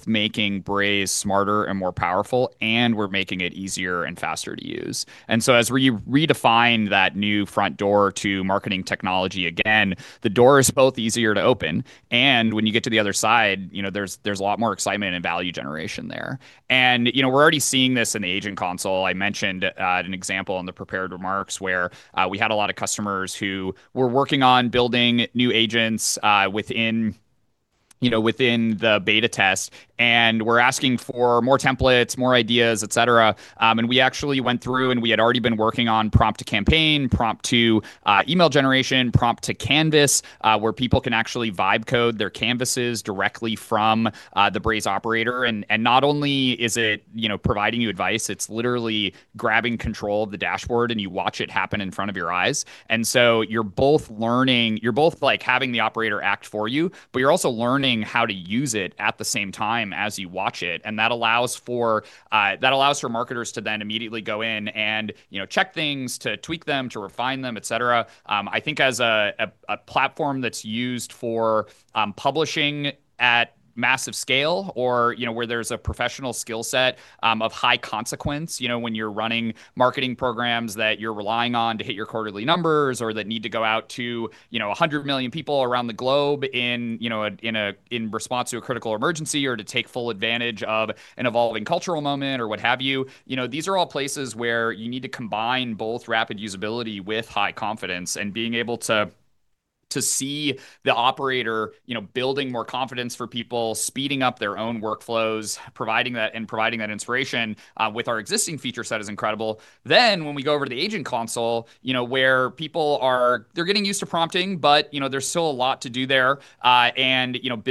making Braze smarter and more powerful, and we're making it easier and faster to use. As we redefine that new front door to marketing technology again, the door is both easier to open, and when you get to the other side, you know, there's a lot more excitement and value generation there. You know, we're already seeing this in Agent Console. I mentioned an example in the prepared remarks where we had a lot of customers who were working on building new agents within you know the beta test and were asking for more templates, more ideas, et cetera. We actually went through and we had already been working on prompt to campaign, prompt to email generation, prompt to canvas where people can actually live code their canvases directly from the Braze operator. And not only is it you know providing you advice, it's literally grabbing control of the dashboard, and you watch it happen in front of your eyes. You're both learning... You're both, like, having the operator act for you, but you're also learning how to use it at the same time as you watch it, and that allows for marketers to then immediately go in and, you know, check things, to tweak them, to refine them, et cetera. I think as a platform that's used for publishing at massive scale or, you know, where there's a professional skill set of high consequence, you know, when you're running marketing programs that you're relying on to hit your quarterly numbers or that need to go out to, you know, 100 million people around the globe in, you know, in response to a critical emergency or to take full advantage of an evolving cultural moment or what have you know, these are all places where you need to combine both rapid usability with high confidence and being able to see the Operator, you know, building more confidence for people, speeding up their own workflows, providing that, and providing that inspiration with our existing feature set is incredible. When we go over to the Agent Console, you know, where people are getting used to prompting, but, you know, there's still a lot to do there.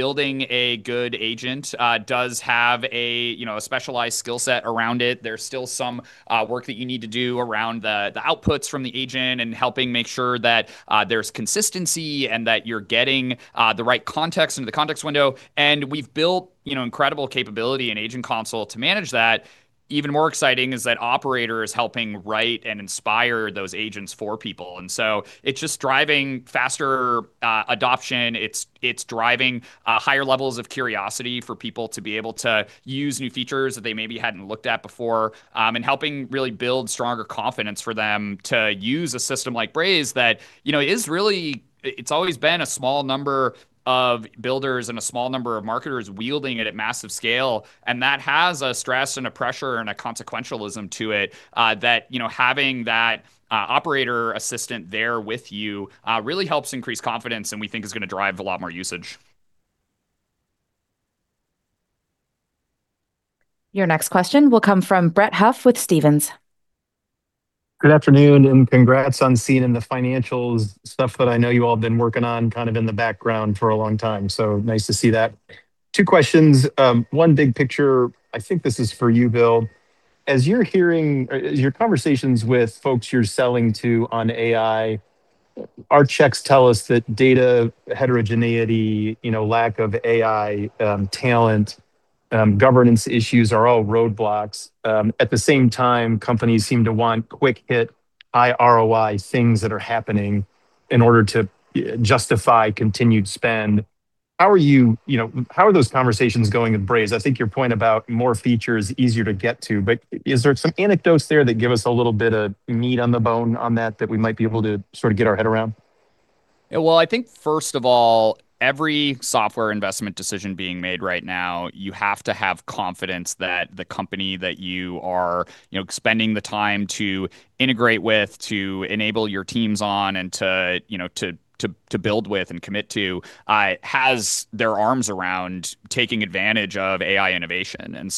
Building a good agent does have a specialized skill set around it. There's still some work that you need to do around the outputs from the agent and helping make sure that there's consistency and that you're getting the right context into the context window. We've built incredible capability in Agent Console to manage that. Even more exciting is that Operator is helping write and inspire those agents for people. It's just driving faster adoption. It's driving higher levels of curiosity for people to be able to use new features that they maybe hadn't looked at before and helping really build stronger confidence for them to use a system like Braze that, you know, is really. It's always been a small number of builders and a small number of marketers wielding it at massive scale, and that has a stress and a pressure and a consequentialism to it, that, you know, having that operator assistant there with you, really helps increase confidence and we think is gonna drive a lot more usage. Your next question will come from Brett Huff with Stephens. Good afternoon, and congrats on seeing the financials stuff that I know you all have been working on kind of in the background for a long time. Nice to see that. Two questions, one big picture. I think this is for you, Bill. As your conversations with folks you're selling to on AI, our checks tell us that data heterogeneity, you know, lack of AI talent, governance issues are all roadblocks. At the same time, companies seem to want quick hit, high ROI things that are happening in order to justify continued spend. How are those conversations going with Braze? I think your point about more features, easier to get to, but is there some anecdotes there that give us a little bit of meat on the bone on that we might be able to sort of get our head around? Well, I think first of all, every software investment decision being made right now, you have to have confidence that the company that you are, you know, spending the time to integrate with, to enable your teams on and to, you know, to build with and commit to, has their arms around taking advantage of AI innovation.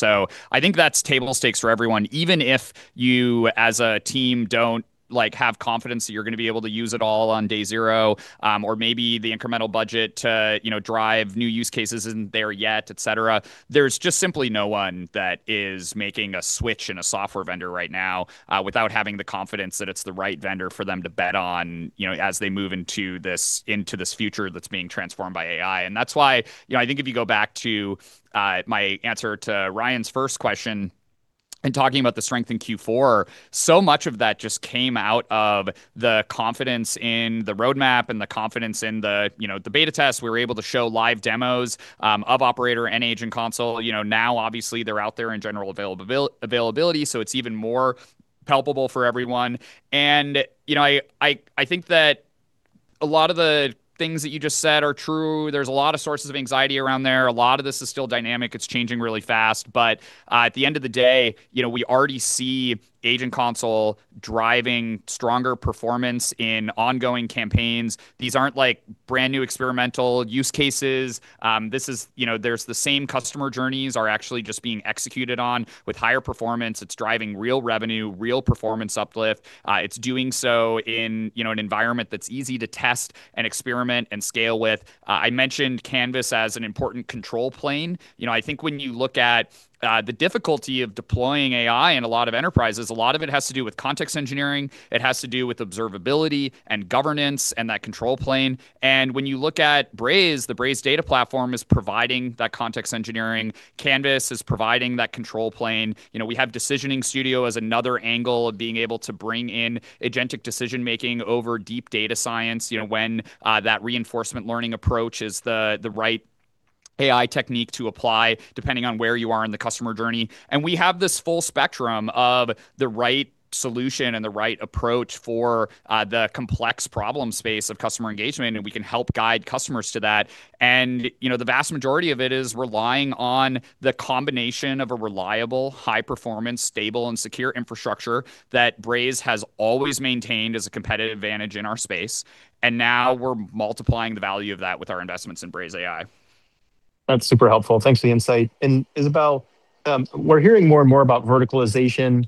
I think that's table stakes for everyone. Even if you as a team don't, like, have confidence that you're gonna be able to use it all on day zero, or maybe the incremental budget to, you know, drive new use cases isn't there yet, et cetera, there's just simply no one that is making a switch in a software vendor right now, without having the confidence that it's the right vendor for them to bet on, you know, as they move into this future that's being transformed by AI. That's why, you know, I think if you go back to my answer to Ryan's first question in talking about the strength in Q4, so much of that just came out of the confidence in the roadmap and the confidence in the, you know, the beta test. We were able to show live demos of Operator and Agent Console. You know, now obviously they're out there in general availability, so it's even more palpable for everyone. You know, I think that a lot of the things that you just said are true. There's a lot of sources of anxiety around there. A lot of this is still dynamic. It's changing really fast. At the end of the day, you know, we already see Agent Console driving stronger performance in ongoing campaigns. These aren't like brand-new experimental use cases. This is you know, the same customer journeys are actually just being executed on with higher performance. It's driving real revenue, real performance uplift. It's doing so in, you know, an environment that's easy to test and experiment and scale with. I mentioned Canvas as an important control plane. You know, I think when you look at the difficulty of deploying AI in a lot of enterprises, a lot of it has to do with context engineering. It has to do with observability and governance and that control plane. When you look at Braze, the Braze Data Platform is providing that context engineering. Canvas is providing that control plane. You know, we have Decisioning Studio as another angle of being able to bring in agentic decision-making over deep data science, you know, when that reinforcement learning approach is the right AI technique to apply depending on where you are in the customer journey. We have this full spectrum of the right solution and the right approach for the complex problem space of customer engagement, and we can help guide customers to that. You know, the vast majority of it is relying on the combination of a reliable, high-performance, stable, and secure infrastructure that Braze has always maintained as a competitive advantage in our space. Now we're multiplying the value of that with our investments in BrazeAI. That's super helpful. Thanks for the insight. Isabelle, we're hearing more and more about verticalization,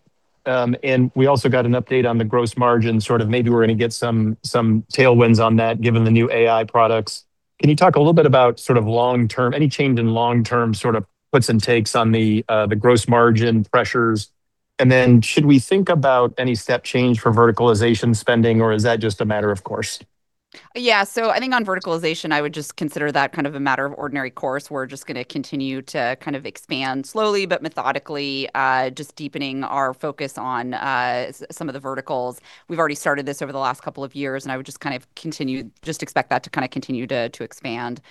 and we also got an update on the gross margin, sort of maybe we're gonna get some tailwinds on that given the new AI products. Can you talk a little bit about sort of long term, any change in long term sort of puts and takes on the gross margin pressures? Then should we think about any step change for verticalization spending, or is that just a matter of course? Yeah. I think on verticalization, I would just consider that kind of a matter of ordinary course. We're just gonna continue to kind of expand slowly but methodically, just deepening our focus on some of the verticals. We've already started this over the last couple of years, and I would just kind of continue, just expect that to kinda continue to expand.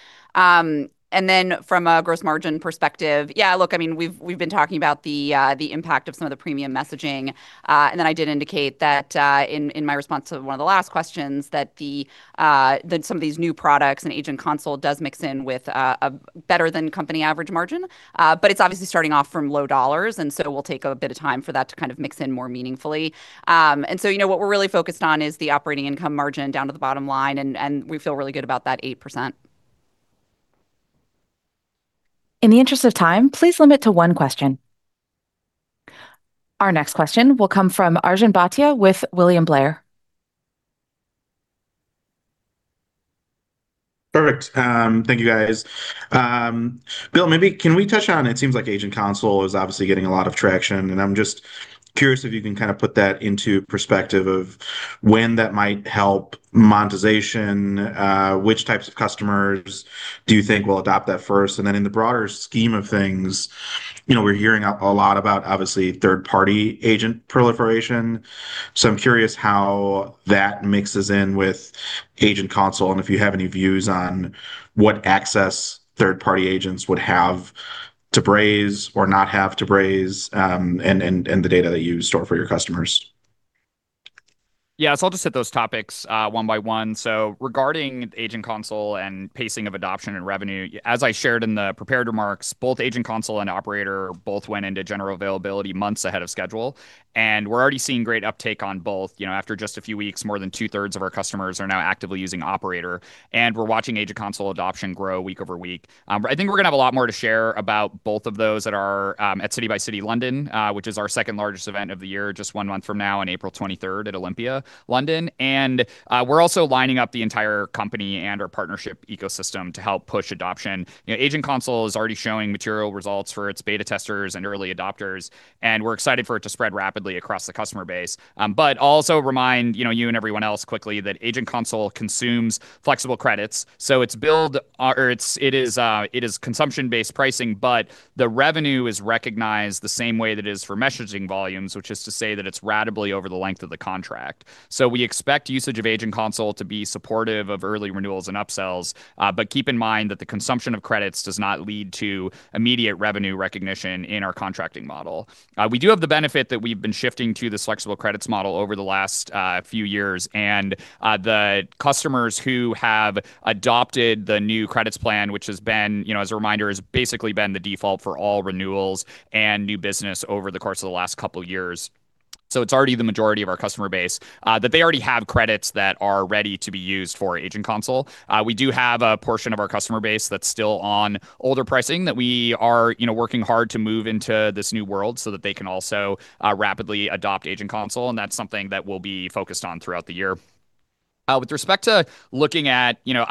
Then from a gross margin perspective, yeah, look, I mean, we've been talking about the impact of some of the premium messaging, and then I did indicate that in my response to one of the last questions that some of these new products and Agent Console does mix in with a better than company average margin. It's obviously starting off from low dollars, and so it will take a bit of time for that to kind of mix in more meaningfully. You know, what we're really focused on is the operating income margin down to the bottom line, and we feel really good about that 8%. In the interest of time, please limit to one question. Our next question will come from Arjun Bhatia with William Blair. Perfect. Thank you, guys. Bill, maybe can we touch on, it seems like Agent Console is obviously getting a lot of traction, and I'm just curious if you can kinda put that into perspective of when that might help monetization, which types of customers do you think will adopt that first? In the broader scheme of things, you know, we're hearing a lot about obviously third-party agent proliferation, so I'm curious how that mixes in with Agent Console and if you have any views on what access third party agents would have to Braze or not have to Braze, and the data that you store for your customers. Yeah. I'll just hit those topics, one by one. Regarding Agent Console and pacing of adoption and revenue, as I shared in the prepared remarks, both Agent Console and Operator went into general availability months ahead of schedule, and we're already seeing great uptake on both. You know, after just a few weeks, more than two-thirds of our customers are now actively using Operator, and we're watching Agent Console adoption grow week-over-week. I think we're gonna have a lot more to share about both of those at our City x City London, which is our second largest event of the year, just one month from now on April twenty-third at Olympia, London. We're also lining up the entire company and our partnership ecosystem to help push adoption. You know, Agent Console is already showing material results for its beta testers and early adopters, and we're excited for it to spread rapidly across the customer base. But also remind, you know, you and everyone else quickly that Agent Console consumes flexible credits, so it is consumption-based pricing, but the revenue is recognized the same way that is for messaging volumes, which is to say that it's ratably over the length of the contract. We expect usage of Agent Console to be supportive of early renewals and upsells, but keep in mind that the consumption of credits does not lead to immediate revenue recognition in our contracting model. We do have the benefit that we've been shifting to this flexible credits model over the last few years, and the customers who have adopted the new credits plan, which has been, you know, as a reminder, has basically been the default for all renewals and new business over the course of the last couple years, so it's already the majority of our customer base that they already have credits that are ready to be used for Agent Console. We do have a portion of our customer base that's still on older pricing that we are, you know, working hard to move into this new world so that they can also rapidly adopt Agent Console, and that's something that we'll be focused on throughout the year. With respect to looking at, you know,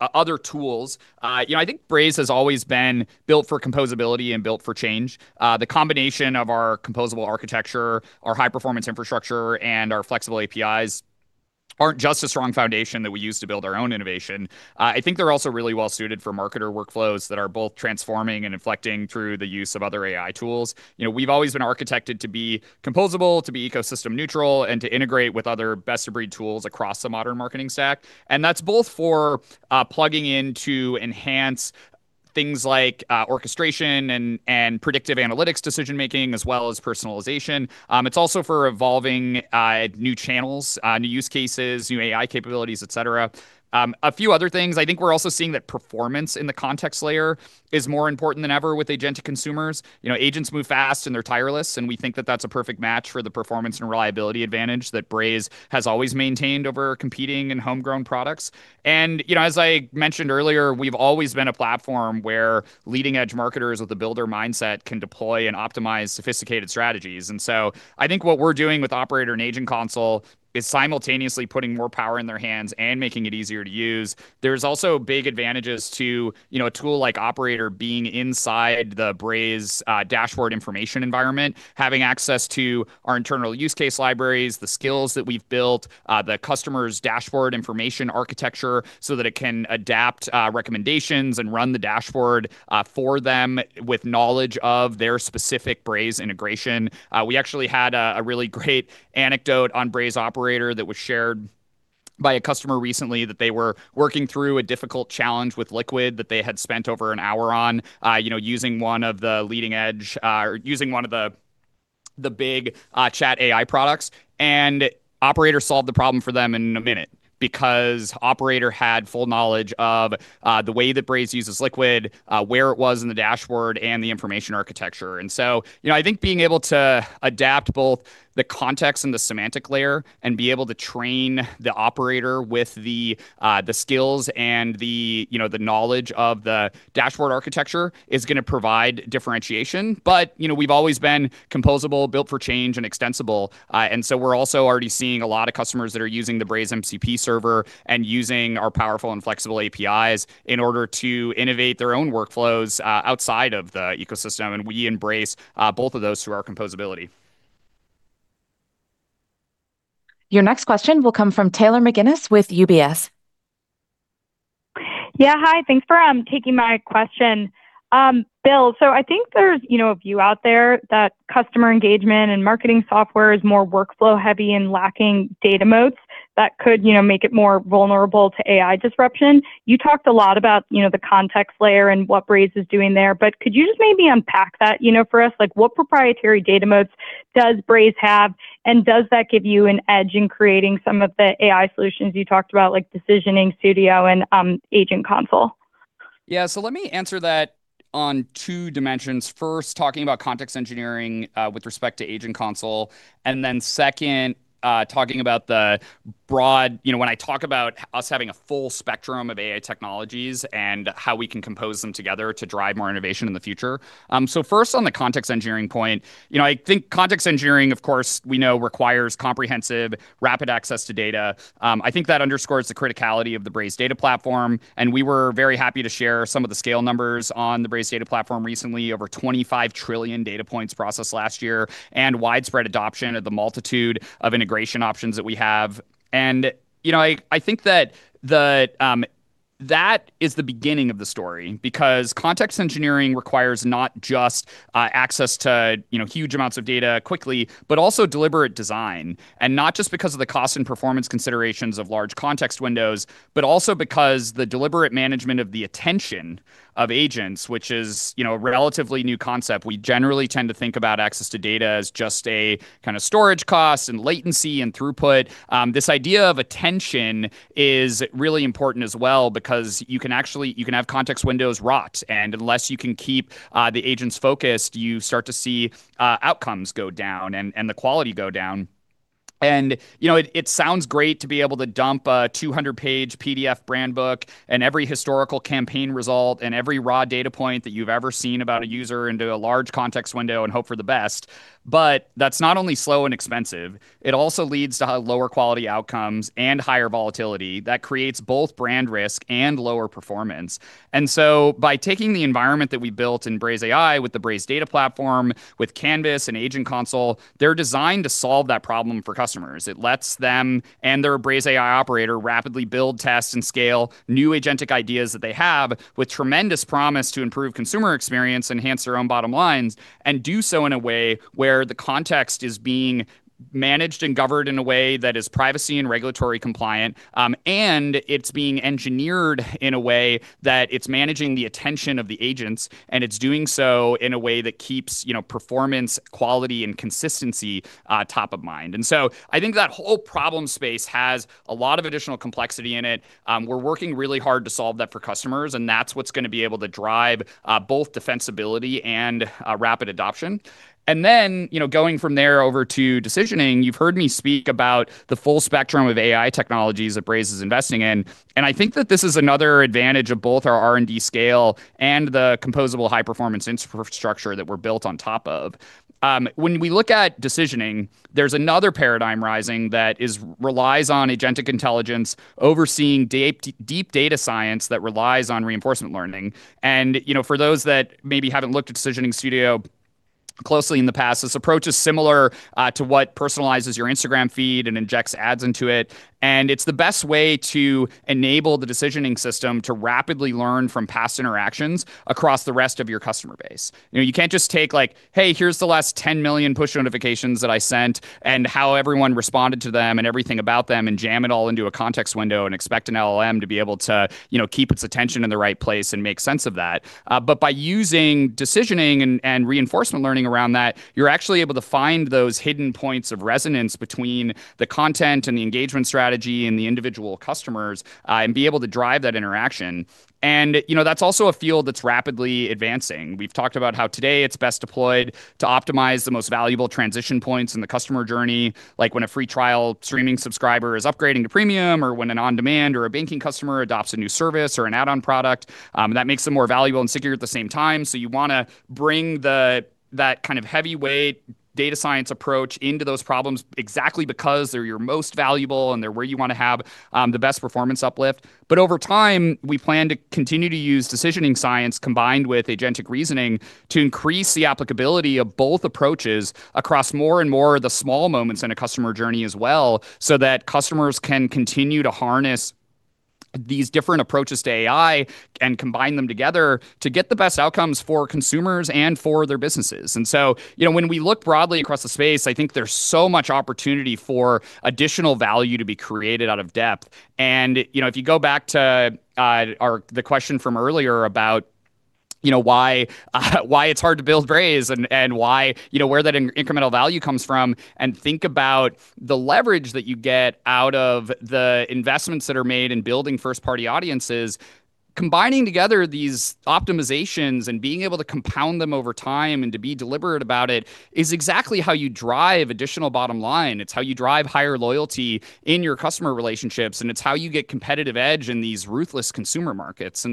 other tools, you know, I think Braze has always been built for composability and built for change. The combination of our composable architecture, our high-performance infrastructure, and our flexible APIs aren't just a strong foundation that we use to build our own innovation, I think they're also really well suited for marketer workflows that are both transforming and inflecting through the use of other AI tools. You know, we've always been architected to be composable, to be ecosystem neutral, and to integrate with other best-of-breed tools across the modern marketing stack. That's both for plugging in to enhance things like orchestration and predictive analytics decision-making, as well as personalization. It's also for evolving new channels, new use cases, new AI capabilities, et cetera. A few other things. I think we're also seeing that performance in the context layer is more important than ever with agentic consumers. You know, agents move fast and they're tireless, and we think that that's a perfect match for the performance and reliability advantage that Braze has always maintained over competing and homegrown products. And, you know, as I mentioned earlier, we've always been a platform where leading edge marketers with a builder mindset can deploy and optimize sophisticated strategies. I think what we're doing with Operator and Agent Console is simultaneously putting more power in their hands and making it easier to use. There's also big advantages to, you know, a tool like Operator being inside the Braze dashboard information environment, having access to our internal use case libraries, the skills that we've built, the customer's dashboard information architecture so that it can adapt recommendations and run the dashboard for them with knowledge of their specific Braze integration. We actually had a really great anecdote on Braze Operator that was shared by a customer recently that they were working through a difficult challenge with Liquid that they had spent over an hour on, you know, using one of the big chat AI products. Operator solved the problem for them in a minute because Operator had full knowledge of the way that Braze uses Liquid, where it was in the dashboard, and the information architecture. You know, I think being able to adapt both the context and the semantic layer and be able to train the operator with the skills and you know, the knowledge of the dashboard architecture is gonna provide differentiation. You know, we've always been composable, built for change, and extensible. We're also already seeing a lot of customers that are using the Braze MCP server and using our powerful and flexible APIs in order to innovate their own workflows outside of the ecosystem, and we embrace both of those through our composability. Your next question will come from Taylor McGinnis with UBS. Yeah. Hi. Thanks for taking my question. Bill, I think there's, you know, a view out there that customer engagement and marketing software is more workflow heavy and lacking data moats that could, you know, make it more vulnerable to AI disruption. You talked a lot about, you know, the context layer and what Braze is doing there, but could you just maybe unpack that, you know, for us? Like, what proprietary data moats does Braze have, and does that give you an edge in creating some of the AI solutions you talked about, like Decisioning Studio and Agent Console? Yeah. Let me answer that on two dimensions. First, talking about context engineering with respect to Agent Console, and then second, talking about the broad, you know, when I talk about us having a full spectrum of AI technologies and how we can compose them together to drive more innovation in the future. First, on the context engineering point, you know, I think context engineering, of course, we know requires comprehensive rapid access to data. I think that underscores the criticality of the Braze Data Platform, and we were very happy to share some of the scale numbers on the Braze Data Platform recently. Over 25 trillion data points processed last year and widespread adoption of the multitude of integration options that we have. You know, I think that that is the beginning of the story because context engineering requires not just access to you know huge amounts of data quickly, but also deliberate design. Not just because of the cost and performance considerations of large context windows, but also because the deliberate management of the attention of agents, which is you know a relatively new concept. We generally tend to think about access to data as just a kinda storage cost and latency and throughput. This idea of attention is really important as well because you can actually have context windows rot, and unless you can keep the agents focused, you start to see outcomes go down and the quality go down. You know, it sounds great to be able to dump a 200-page PDF brand book and every historical campaign result and every raw data point that you've ever seen about a user into a large context window and hope for the best. That's not only slow and expensive. It also leads to lower quality outcomes and higher volatility that creates both brand risk and lower performance. By taking the environment that we built in BrazeAI with the Braze Data Platform, with Canvas and Agent Console, they're designed to solve that problem for customers. It lets them and their BrazeAI Operator rapidly build, test, and scale new agentic ideas that they have with tremendous promise to improve consumer experience, enhance their own bottom lines, and do so in a way where the context is being managed and governed in a way that is privacy and regulatory compliant, and it's being engineered in a way that it's managing the attention of the agents, and it's doing so in a way that keeps, you know, performance, quality, and consistency, top of mind. I think that whole problem space has a lot of additional complexity in it. We're working really hard to solve that for customers, and that's what's gonna be able to drive both defensibility and rapid adoption. Going from there over to decisioning, you've heard me speak about the full spectrum of AI technologies that Braze is investing in, and I think that this is another advantage of both our R&D scale and the composable high-performance infrastructure that we're built on top of. When we look at decisioning, there's another paradigm rising that relies on agentic intelligence overseeing deep data science that relies on reinforcement learning. You know, for those that maybe haven't looked at Decisioning Studio closely in the past, this approach is similar to what personalizes your Instagram feed and injects ads into it, and it's the best way to enable the decisioning system to rapidly learn from past interactions across the rest of your customer base. You know, you can't just take like, "Hey, here's the last 10 million push notifications that I sent and how everyone responded to them and everything about them," and jam it all into a context window and expect an LLM to be able to, you know, keep its attention in the right place and make sense of that. But by using decisioning and reinforcement learning around that, you're actually able to find those hidden points of resonance between the content and the engagement strategy and the individual customers, and be able to drive that interaction. You know, that's also a field that's rapidly advancing. We've talked about how today it's best deployed to optimize the most valuable transition points in the customer journey, like when a free trial streaming subscriber is upgrading to premium or when an on-demand or a banking customer adopts a new service or an add-on product that makes them more valuable and secure at the same time. You wanna bring that kind of heavyweight data science approach into those problems exactly because they're your most valuable, and they're where you wanna have the best performance uplift. Over time, we plan to continue to use decisioning science combined with agentic reasoning to increase the applicability of both approaches across more and more of the small moments in a customer journey as well, so that customers can continue to harness these different approaches to AI and combine them together to get the best outcomes for consumers and for their businesses. You know, when we look broadly across the space, I think there's so much opportunity for additional value to be created out of depth. You know, if you go back to the question from earlier about, you know, why it's hard to build Braze and why, you know, where that incremental value comes from, and think about the leverage that you get out of the investments that are made in building first-party audiences, combining together these optimizations and being able to compound them over time and to be deliberate about it is exactly how you drive additional bottom line. It's how you drive higher loyalty in your customer relationships, and it's how you get competitive edge in these ruthless consumer markets.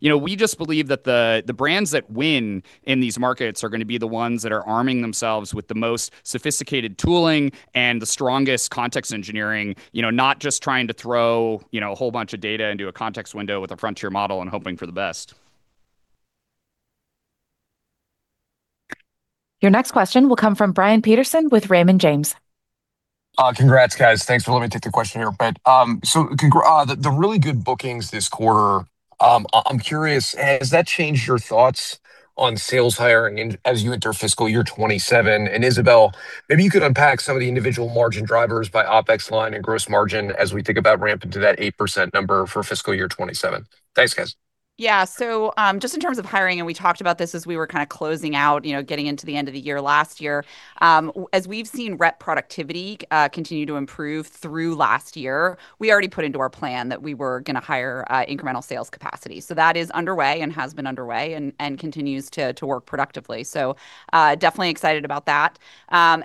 You know, we just believe that the brands that win in these markets are gonna be the ones that are arming themselves with the most sophisticated tooling and the strongest context engineering, you know, not just trying to throw, you know, a whole bunch of data into a context window with a frontier model and hoping for the best. Your next question will come from Brian Peterson with Raymond James. Congrats, guys. Thanks for letting me take the question here. The really good bookings this quarter, I'm curious, has that changed your thoughts on sales hiring in as you enter fiscal year 2027? Isabelle, maybe you could unpack some of the individual margin drivers by OpEx line and gross margin as we think about ramping to that 8% number for fiscal year 2027. Thanks, guys. Yeah. Just in terms of hiring, and we talked about this as we were kinda closing out, you know, getting into the end of the year last year, as we've seen rep productivity continue to improve through last year, we already put into our plan that we were gonna hire incremental sales capacity. That is underway and has been underway and continues to work productively. Definitely excited about that.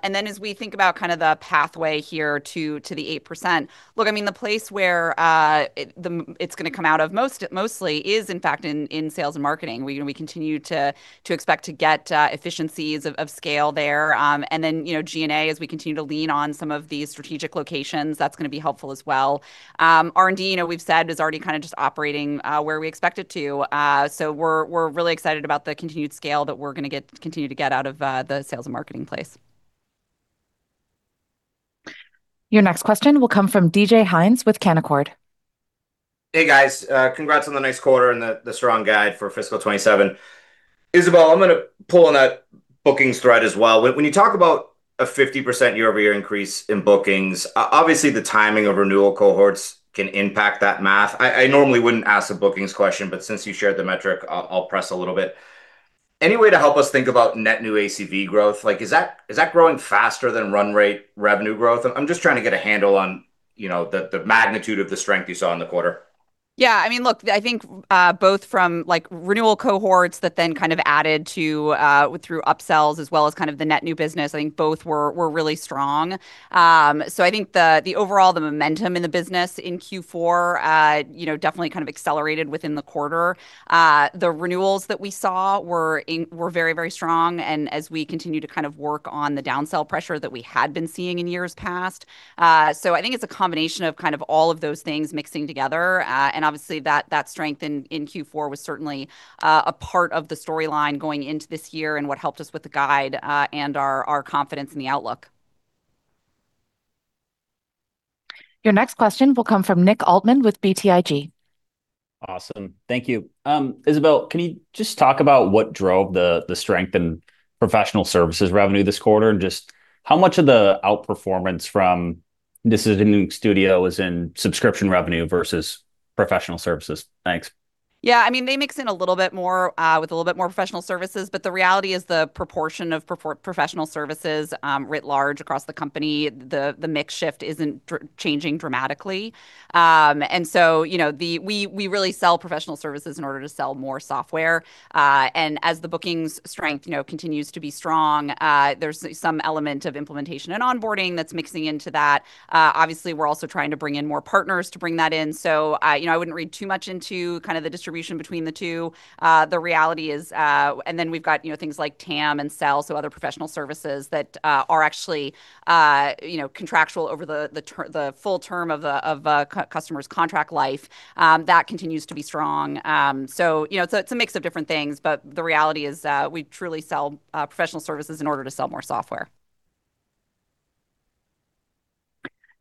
Then as we think about kinda the pathway here to the 8%. Look, I mean, the place where it's gonna come out of mostly is, in fact, in sales and marketing. We continue to expect to get efficiencies of scale there. You know, G&A as we continue to lean on some of the strategic locations, that's gonna be helpful as well. R&D, you know, we've said is already kinda just operating where we expect it to. We're really excited about the continued scale that we continue to get out of the sales and marketing space. Your next question will come from DJ Hynes with Canaccord. Hey, guys. Congrats on the next quarter and the strong guide for fiscal 2027. Isabelle, I'm gonna pull on a bookings thread as well. When you talk about a 50% year-over-year increase in bookings, obviously, the timing of renewal cohorts can impact that math. I normally wouldn't ask a bookings question, but since you shared the metric, I'll press a little bit. Any way to help us think about net new ACV growth? Like, is that growing faster than run rate revenue growth? I'm just trying to get a handle on, you know, the magnitude of the strength you saw in the quarter. Yeah. I mean, look, I think both from, like, renewal cohorts that then kind of added to through upsells as well as kind of the net new business, I think both were really strong. I think the overall momentum in the business in Q4 you know, definitely kind of accelerated within the quarter. The renewals that we saw were very, very strong and as we continue to kind of work on the downsell pressure that we had been seeing in years past. I think it's a combination of kind of all of those things mixing together. Obviously that strength in Q4 was certainly a part of the storyline going into this year and what helped us with the guide and our confidence in the outlook. Your next question will come from Nick Altmann with BTIG. Awesome. Thank you. Isabelle, can you just talk about what drove the strength in professional services revenue this quarter, and just how much of the outperformance from this is in subscription revenue versus professional services? Thanks. Yeah. I mean, they mix in a little bit more with a little bit more professional services, but the reality is the proportion of professional services writ large across the company, the mix shift isn't changing dramatically. We really sell professional services in order to sell more software. As the bookings strength you know continues to be strong, there's some element of implementation and onboarding that's mixing into that. Obviously, we're also trying to bring in more partners to bring that in. You know, I wouldn't read too much into kind of the distribution between the two. The reality is, We've got, you know, things like TAM and CEL, so other professional services that are actually, you know, contractual over the full term of a customer's contract life, that continues to be strong. You know, it's a mix of different things, but the reality is, we truly sell professional services in order to sell more software.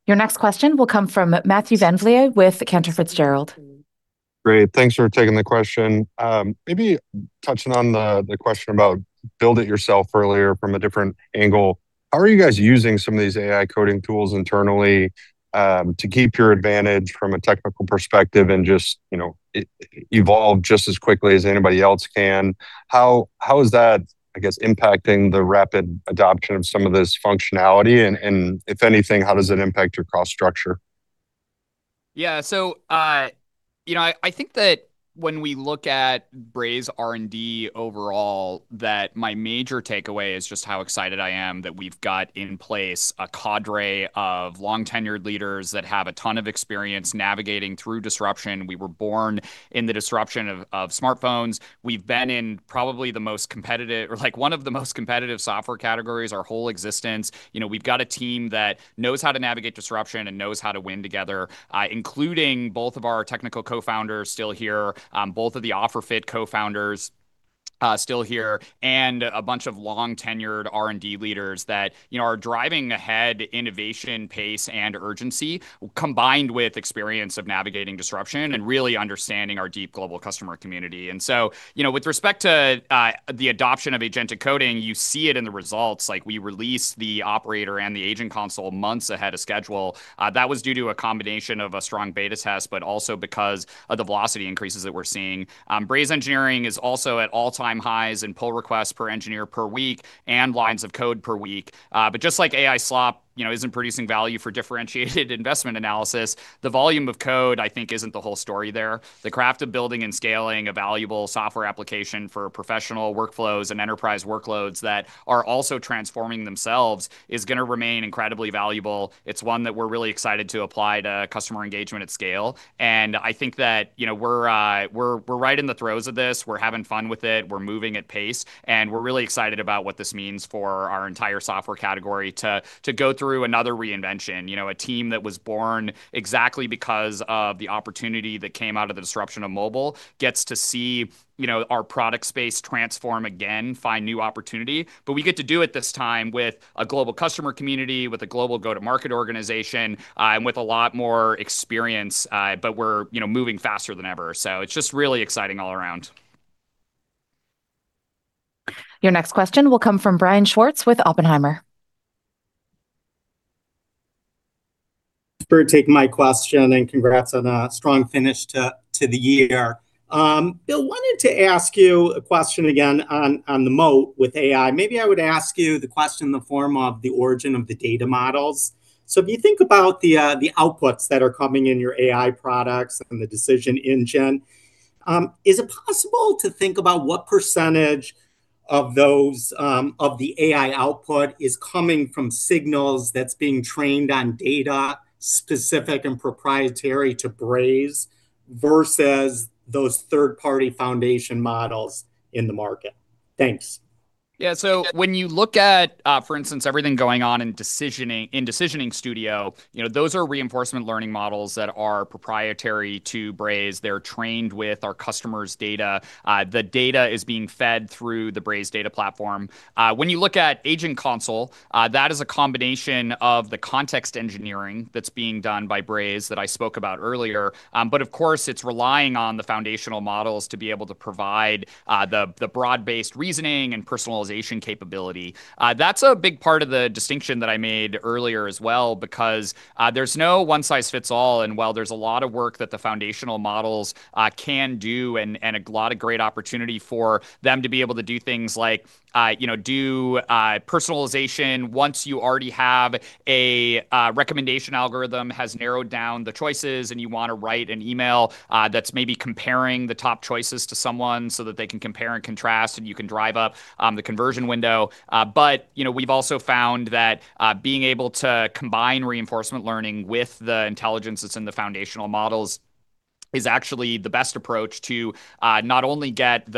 Your next question will come from Matthew VanVliet with Cantor Fitzgerald. Great. Thanks for taking the question. Maybe touching on the question about build it yourself earlier from a different angle, how are you guys using some of these AI coding tools internally to keep your advantage from a technical perspective and just, you know, evolve just as quickly as anybody else can? How is that, I guess, impacting the rapid adoption of some of this functionality? And if anything, how does it impact your cost structure? Yeah. You know, I think that when we look at Braze R&D overall, that my major takeaway is just how excited I am that we've got in place a cadre of long-tenured leaders that have a ton of experience navigating through disruption. We were born in the disruption of smartphones. We've been in probably the most competitive or, like, one of the most competitive software categories our whole existence. You know, we've got a team that knows how to navigate disruption and knows how to win together, including both of our technical co-founders still here, both of the OfferFit co-founders still here, and a bunch of long-tenured R&D leaders that, you know, are driving ahead innovation, pace, and urgency, combined with experience of navigating disruption and really understanding our deep global customer community. You know, with respect to the adoption of agentic coding, you see it in the results. Like, we released the operator and the agent console months ahead of schedule. That was due to a combination of a strong beta test, but also because of the velocity increases that we're seeing. Braze engineering is also at all-time highs in pull requests per engineer per week and lines of code per week. But just like AI slop, you know, isn't producing value for differentiated investment analysis, the volume of code, I think, isn't the whole story there. The craft of building and scaling a valuable software application for professional workflows and enterprise workloads that are also transforming themselves is gonna remain incredibly valuable. It's one that we're really excited to apply to customer engagement at scale, and I think that, you know, we're right in the throes of this. We're having fun with it, we're moving at pace, and we're really excited about what this means for our entire software category to go through another reinvention. You know, a team that was born exactly because of the opportunity that came out of the disruption of mobile gets to see, you know, our product space transform again, find new opportunity. We get to do it this time with a global customer community, with a global go-to-market organization, and with a lot more experience. We're, you know, moving faster than ever. It's just really exciting all around. Your next question will come from Brian Schwartz with Oppenheimer. Thanks for taking my question, and congrats on a strong finish to the year. Bill, wanted to ask you a question again on the moat with AI. Maybe I would ask you the question in the form of the origin of the data models. If you think about the outputs that are coming in your AI products and the decision engine, is it possible to think about what percentage of those of the AI output is coming from signals that's being trained on data specific and proprietary to Braze versus those third-party foundation models in the market? Thanks. Yeah. When you look at, for instance, everything going on in decisioning, in Decisioning Studio, you know, those are reinforcement learning models that are proprietary to Braze. They're trained with our customer's data. The data is being fed through the Braze Data Platform. When you look at Agent Console, that is a combination of the context engineering that's being done by Braze that I spoke about earlier. Of course it's relying on the foundational models to be able to provide the broad-based reasoning and personalization capability. That's a big part of the distinction that I made earlier as well because there's no one size fits all, and while there's a lot of work that the foundational models can do and a lot of great opportunity for them to be able to do things like you know personalization once you already have a recommendation algorithm has narrowed down the choices and you wanna write an email that's maybe comparing the top choices to someone so that they can compare and contrast, and you can drive up the conversion window. You know, we've also found that being able to combine reinforcement learning with the intelligence that's in the foundational models is actually the best approach to not only get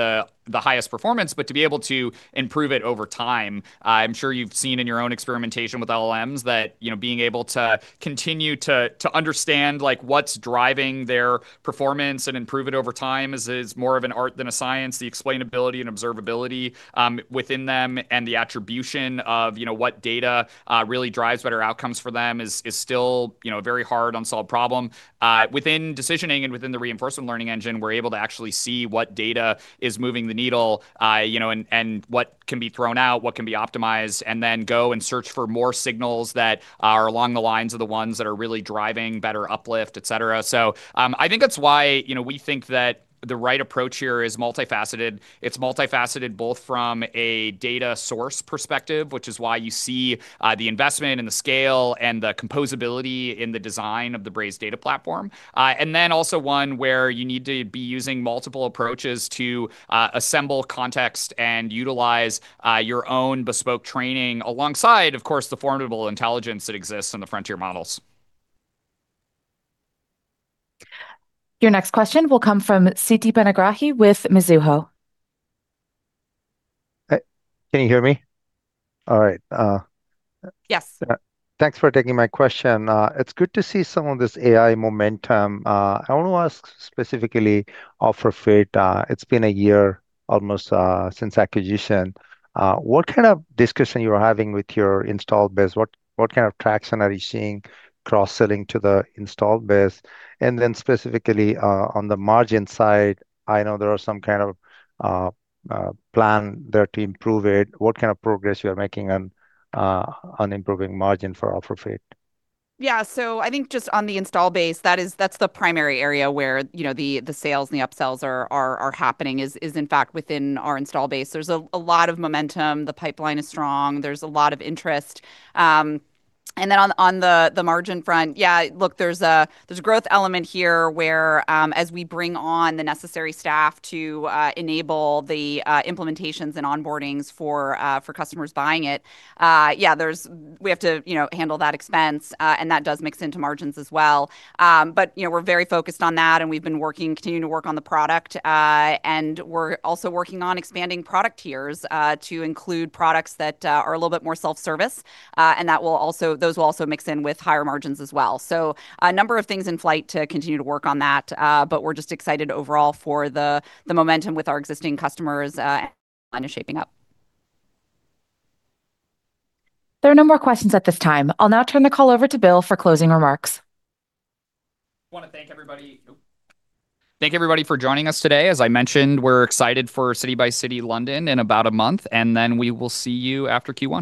the highest performance, but to be able to improve it over time. I'm sure you've seen in your own experimentation with LLMs that, you know, being able to continue to understand, like, what's driving their performance and improve it over time is more of an art than a science. The explainability and observability within them, and the attribution of, you know, what data really drives better outcomes for them is still, you know, a very hard unsolved problem. Within decisioning and within the reinforcement learning engine, we're able to actually see what data is moving the needle, you know, and what can be thrown out, what can be optimized, and then go and search for more signals that are along the lines of the ones that are really driving better uplift, et cetera. I think that's why, you know, we think that the right approach here is multifaceted. It's multifaceted both from a data source perspective, which is why you see the investment and the scale and the composability in the design of the Braze Data Platform. Also one where you need to be using multiple approaches to assemble context and utilize your own bespoke training alongside, of course, the formidable intelligence that exists in the frontier models. Your next question will come from Siti Panigrahi with Mizuho. Can you hear me? All right. Yes. Thanks for taking my question. It's good to see some of this AI momentum. I wanna ask specifically OfferFit. It's been a year almost since acquisition. What kind of discussion you are having with your installed base? What kind of traction are you seeing cross-selling to the installed base? Specifically, on the margin side, I know there are some kind of plan there to improve it. What kind of progress you are making on improving margin for OfferFit? I think just on the installed base, that's the primary area where, you know, the sales and the upsells are happening, is in fact within our installed base. There's a lot of momentum. The pipeline is strong. There's a lot of interest. On the margin front, look, there's a growth element here where as we bring on the necessary staff to enable the implementations and onboardings for customers buying it, we have to, you know, handle that expense, and that does mix into margins as well. You know, we're very focused on that, and we've been working, continuing to work on the product. We're also working on expanding product tiers to include products that are a little bit more self-service. Those will also mix in with higher margins as well. A number of things in flight to continue to work on that, but we're just excited overall for the momentum with our existing customers, pipeline is shaping up. There are no more questions at this time. I'll now turn the call over to Bill for closing remarks. Thank everybody for joining us today. As I mentioned, we're excited for City x City London in about a month, and then we will see you after Q1.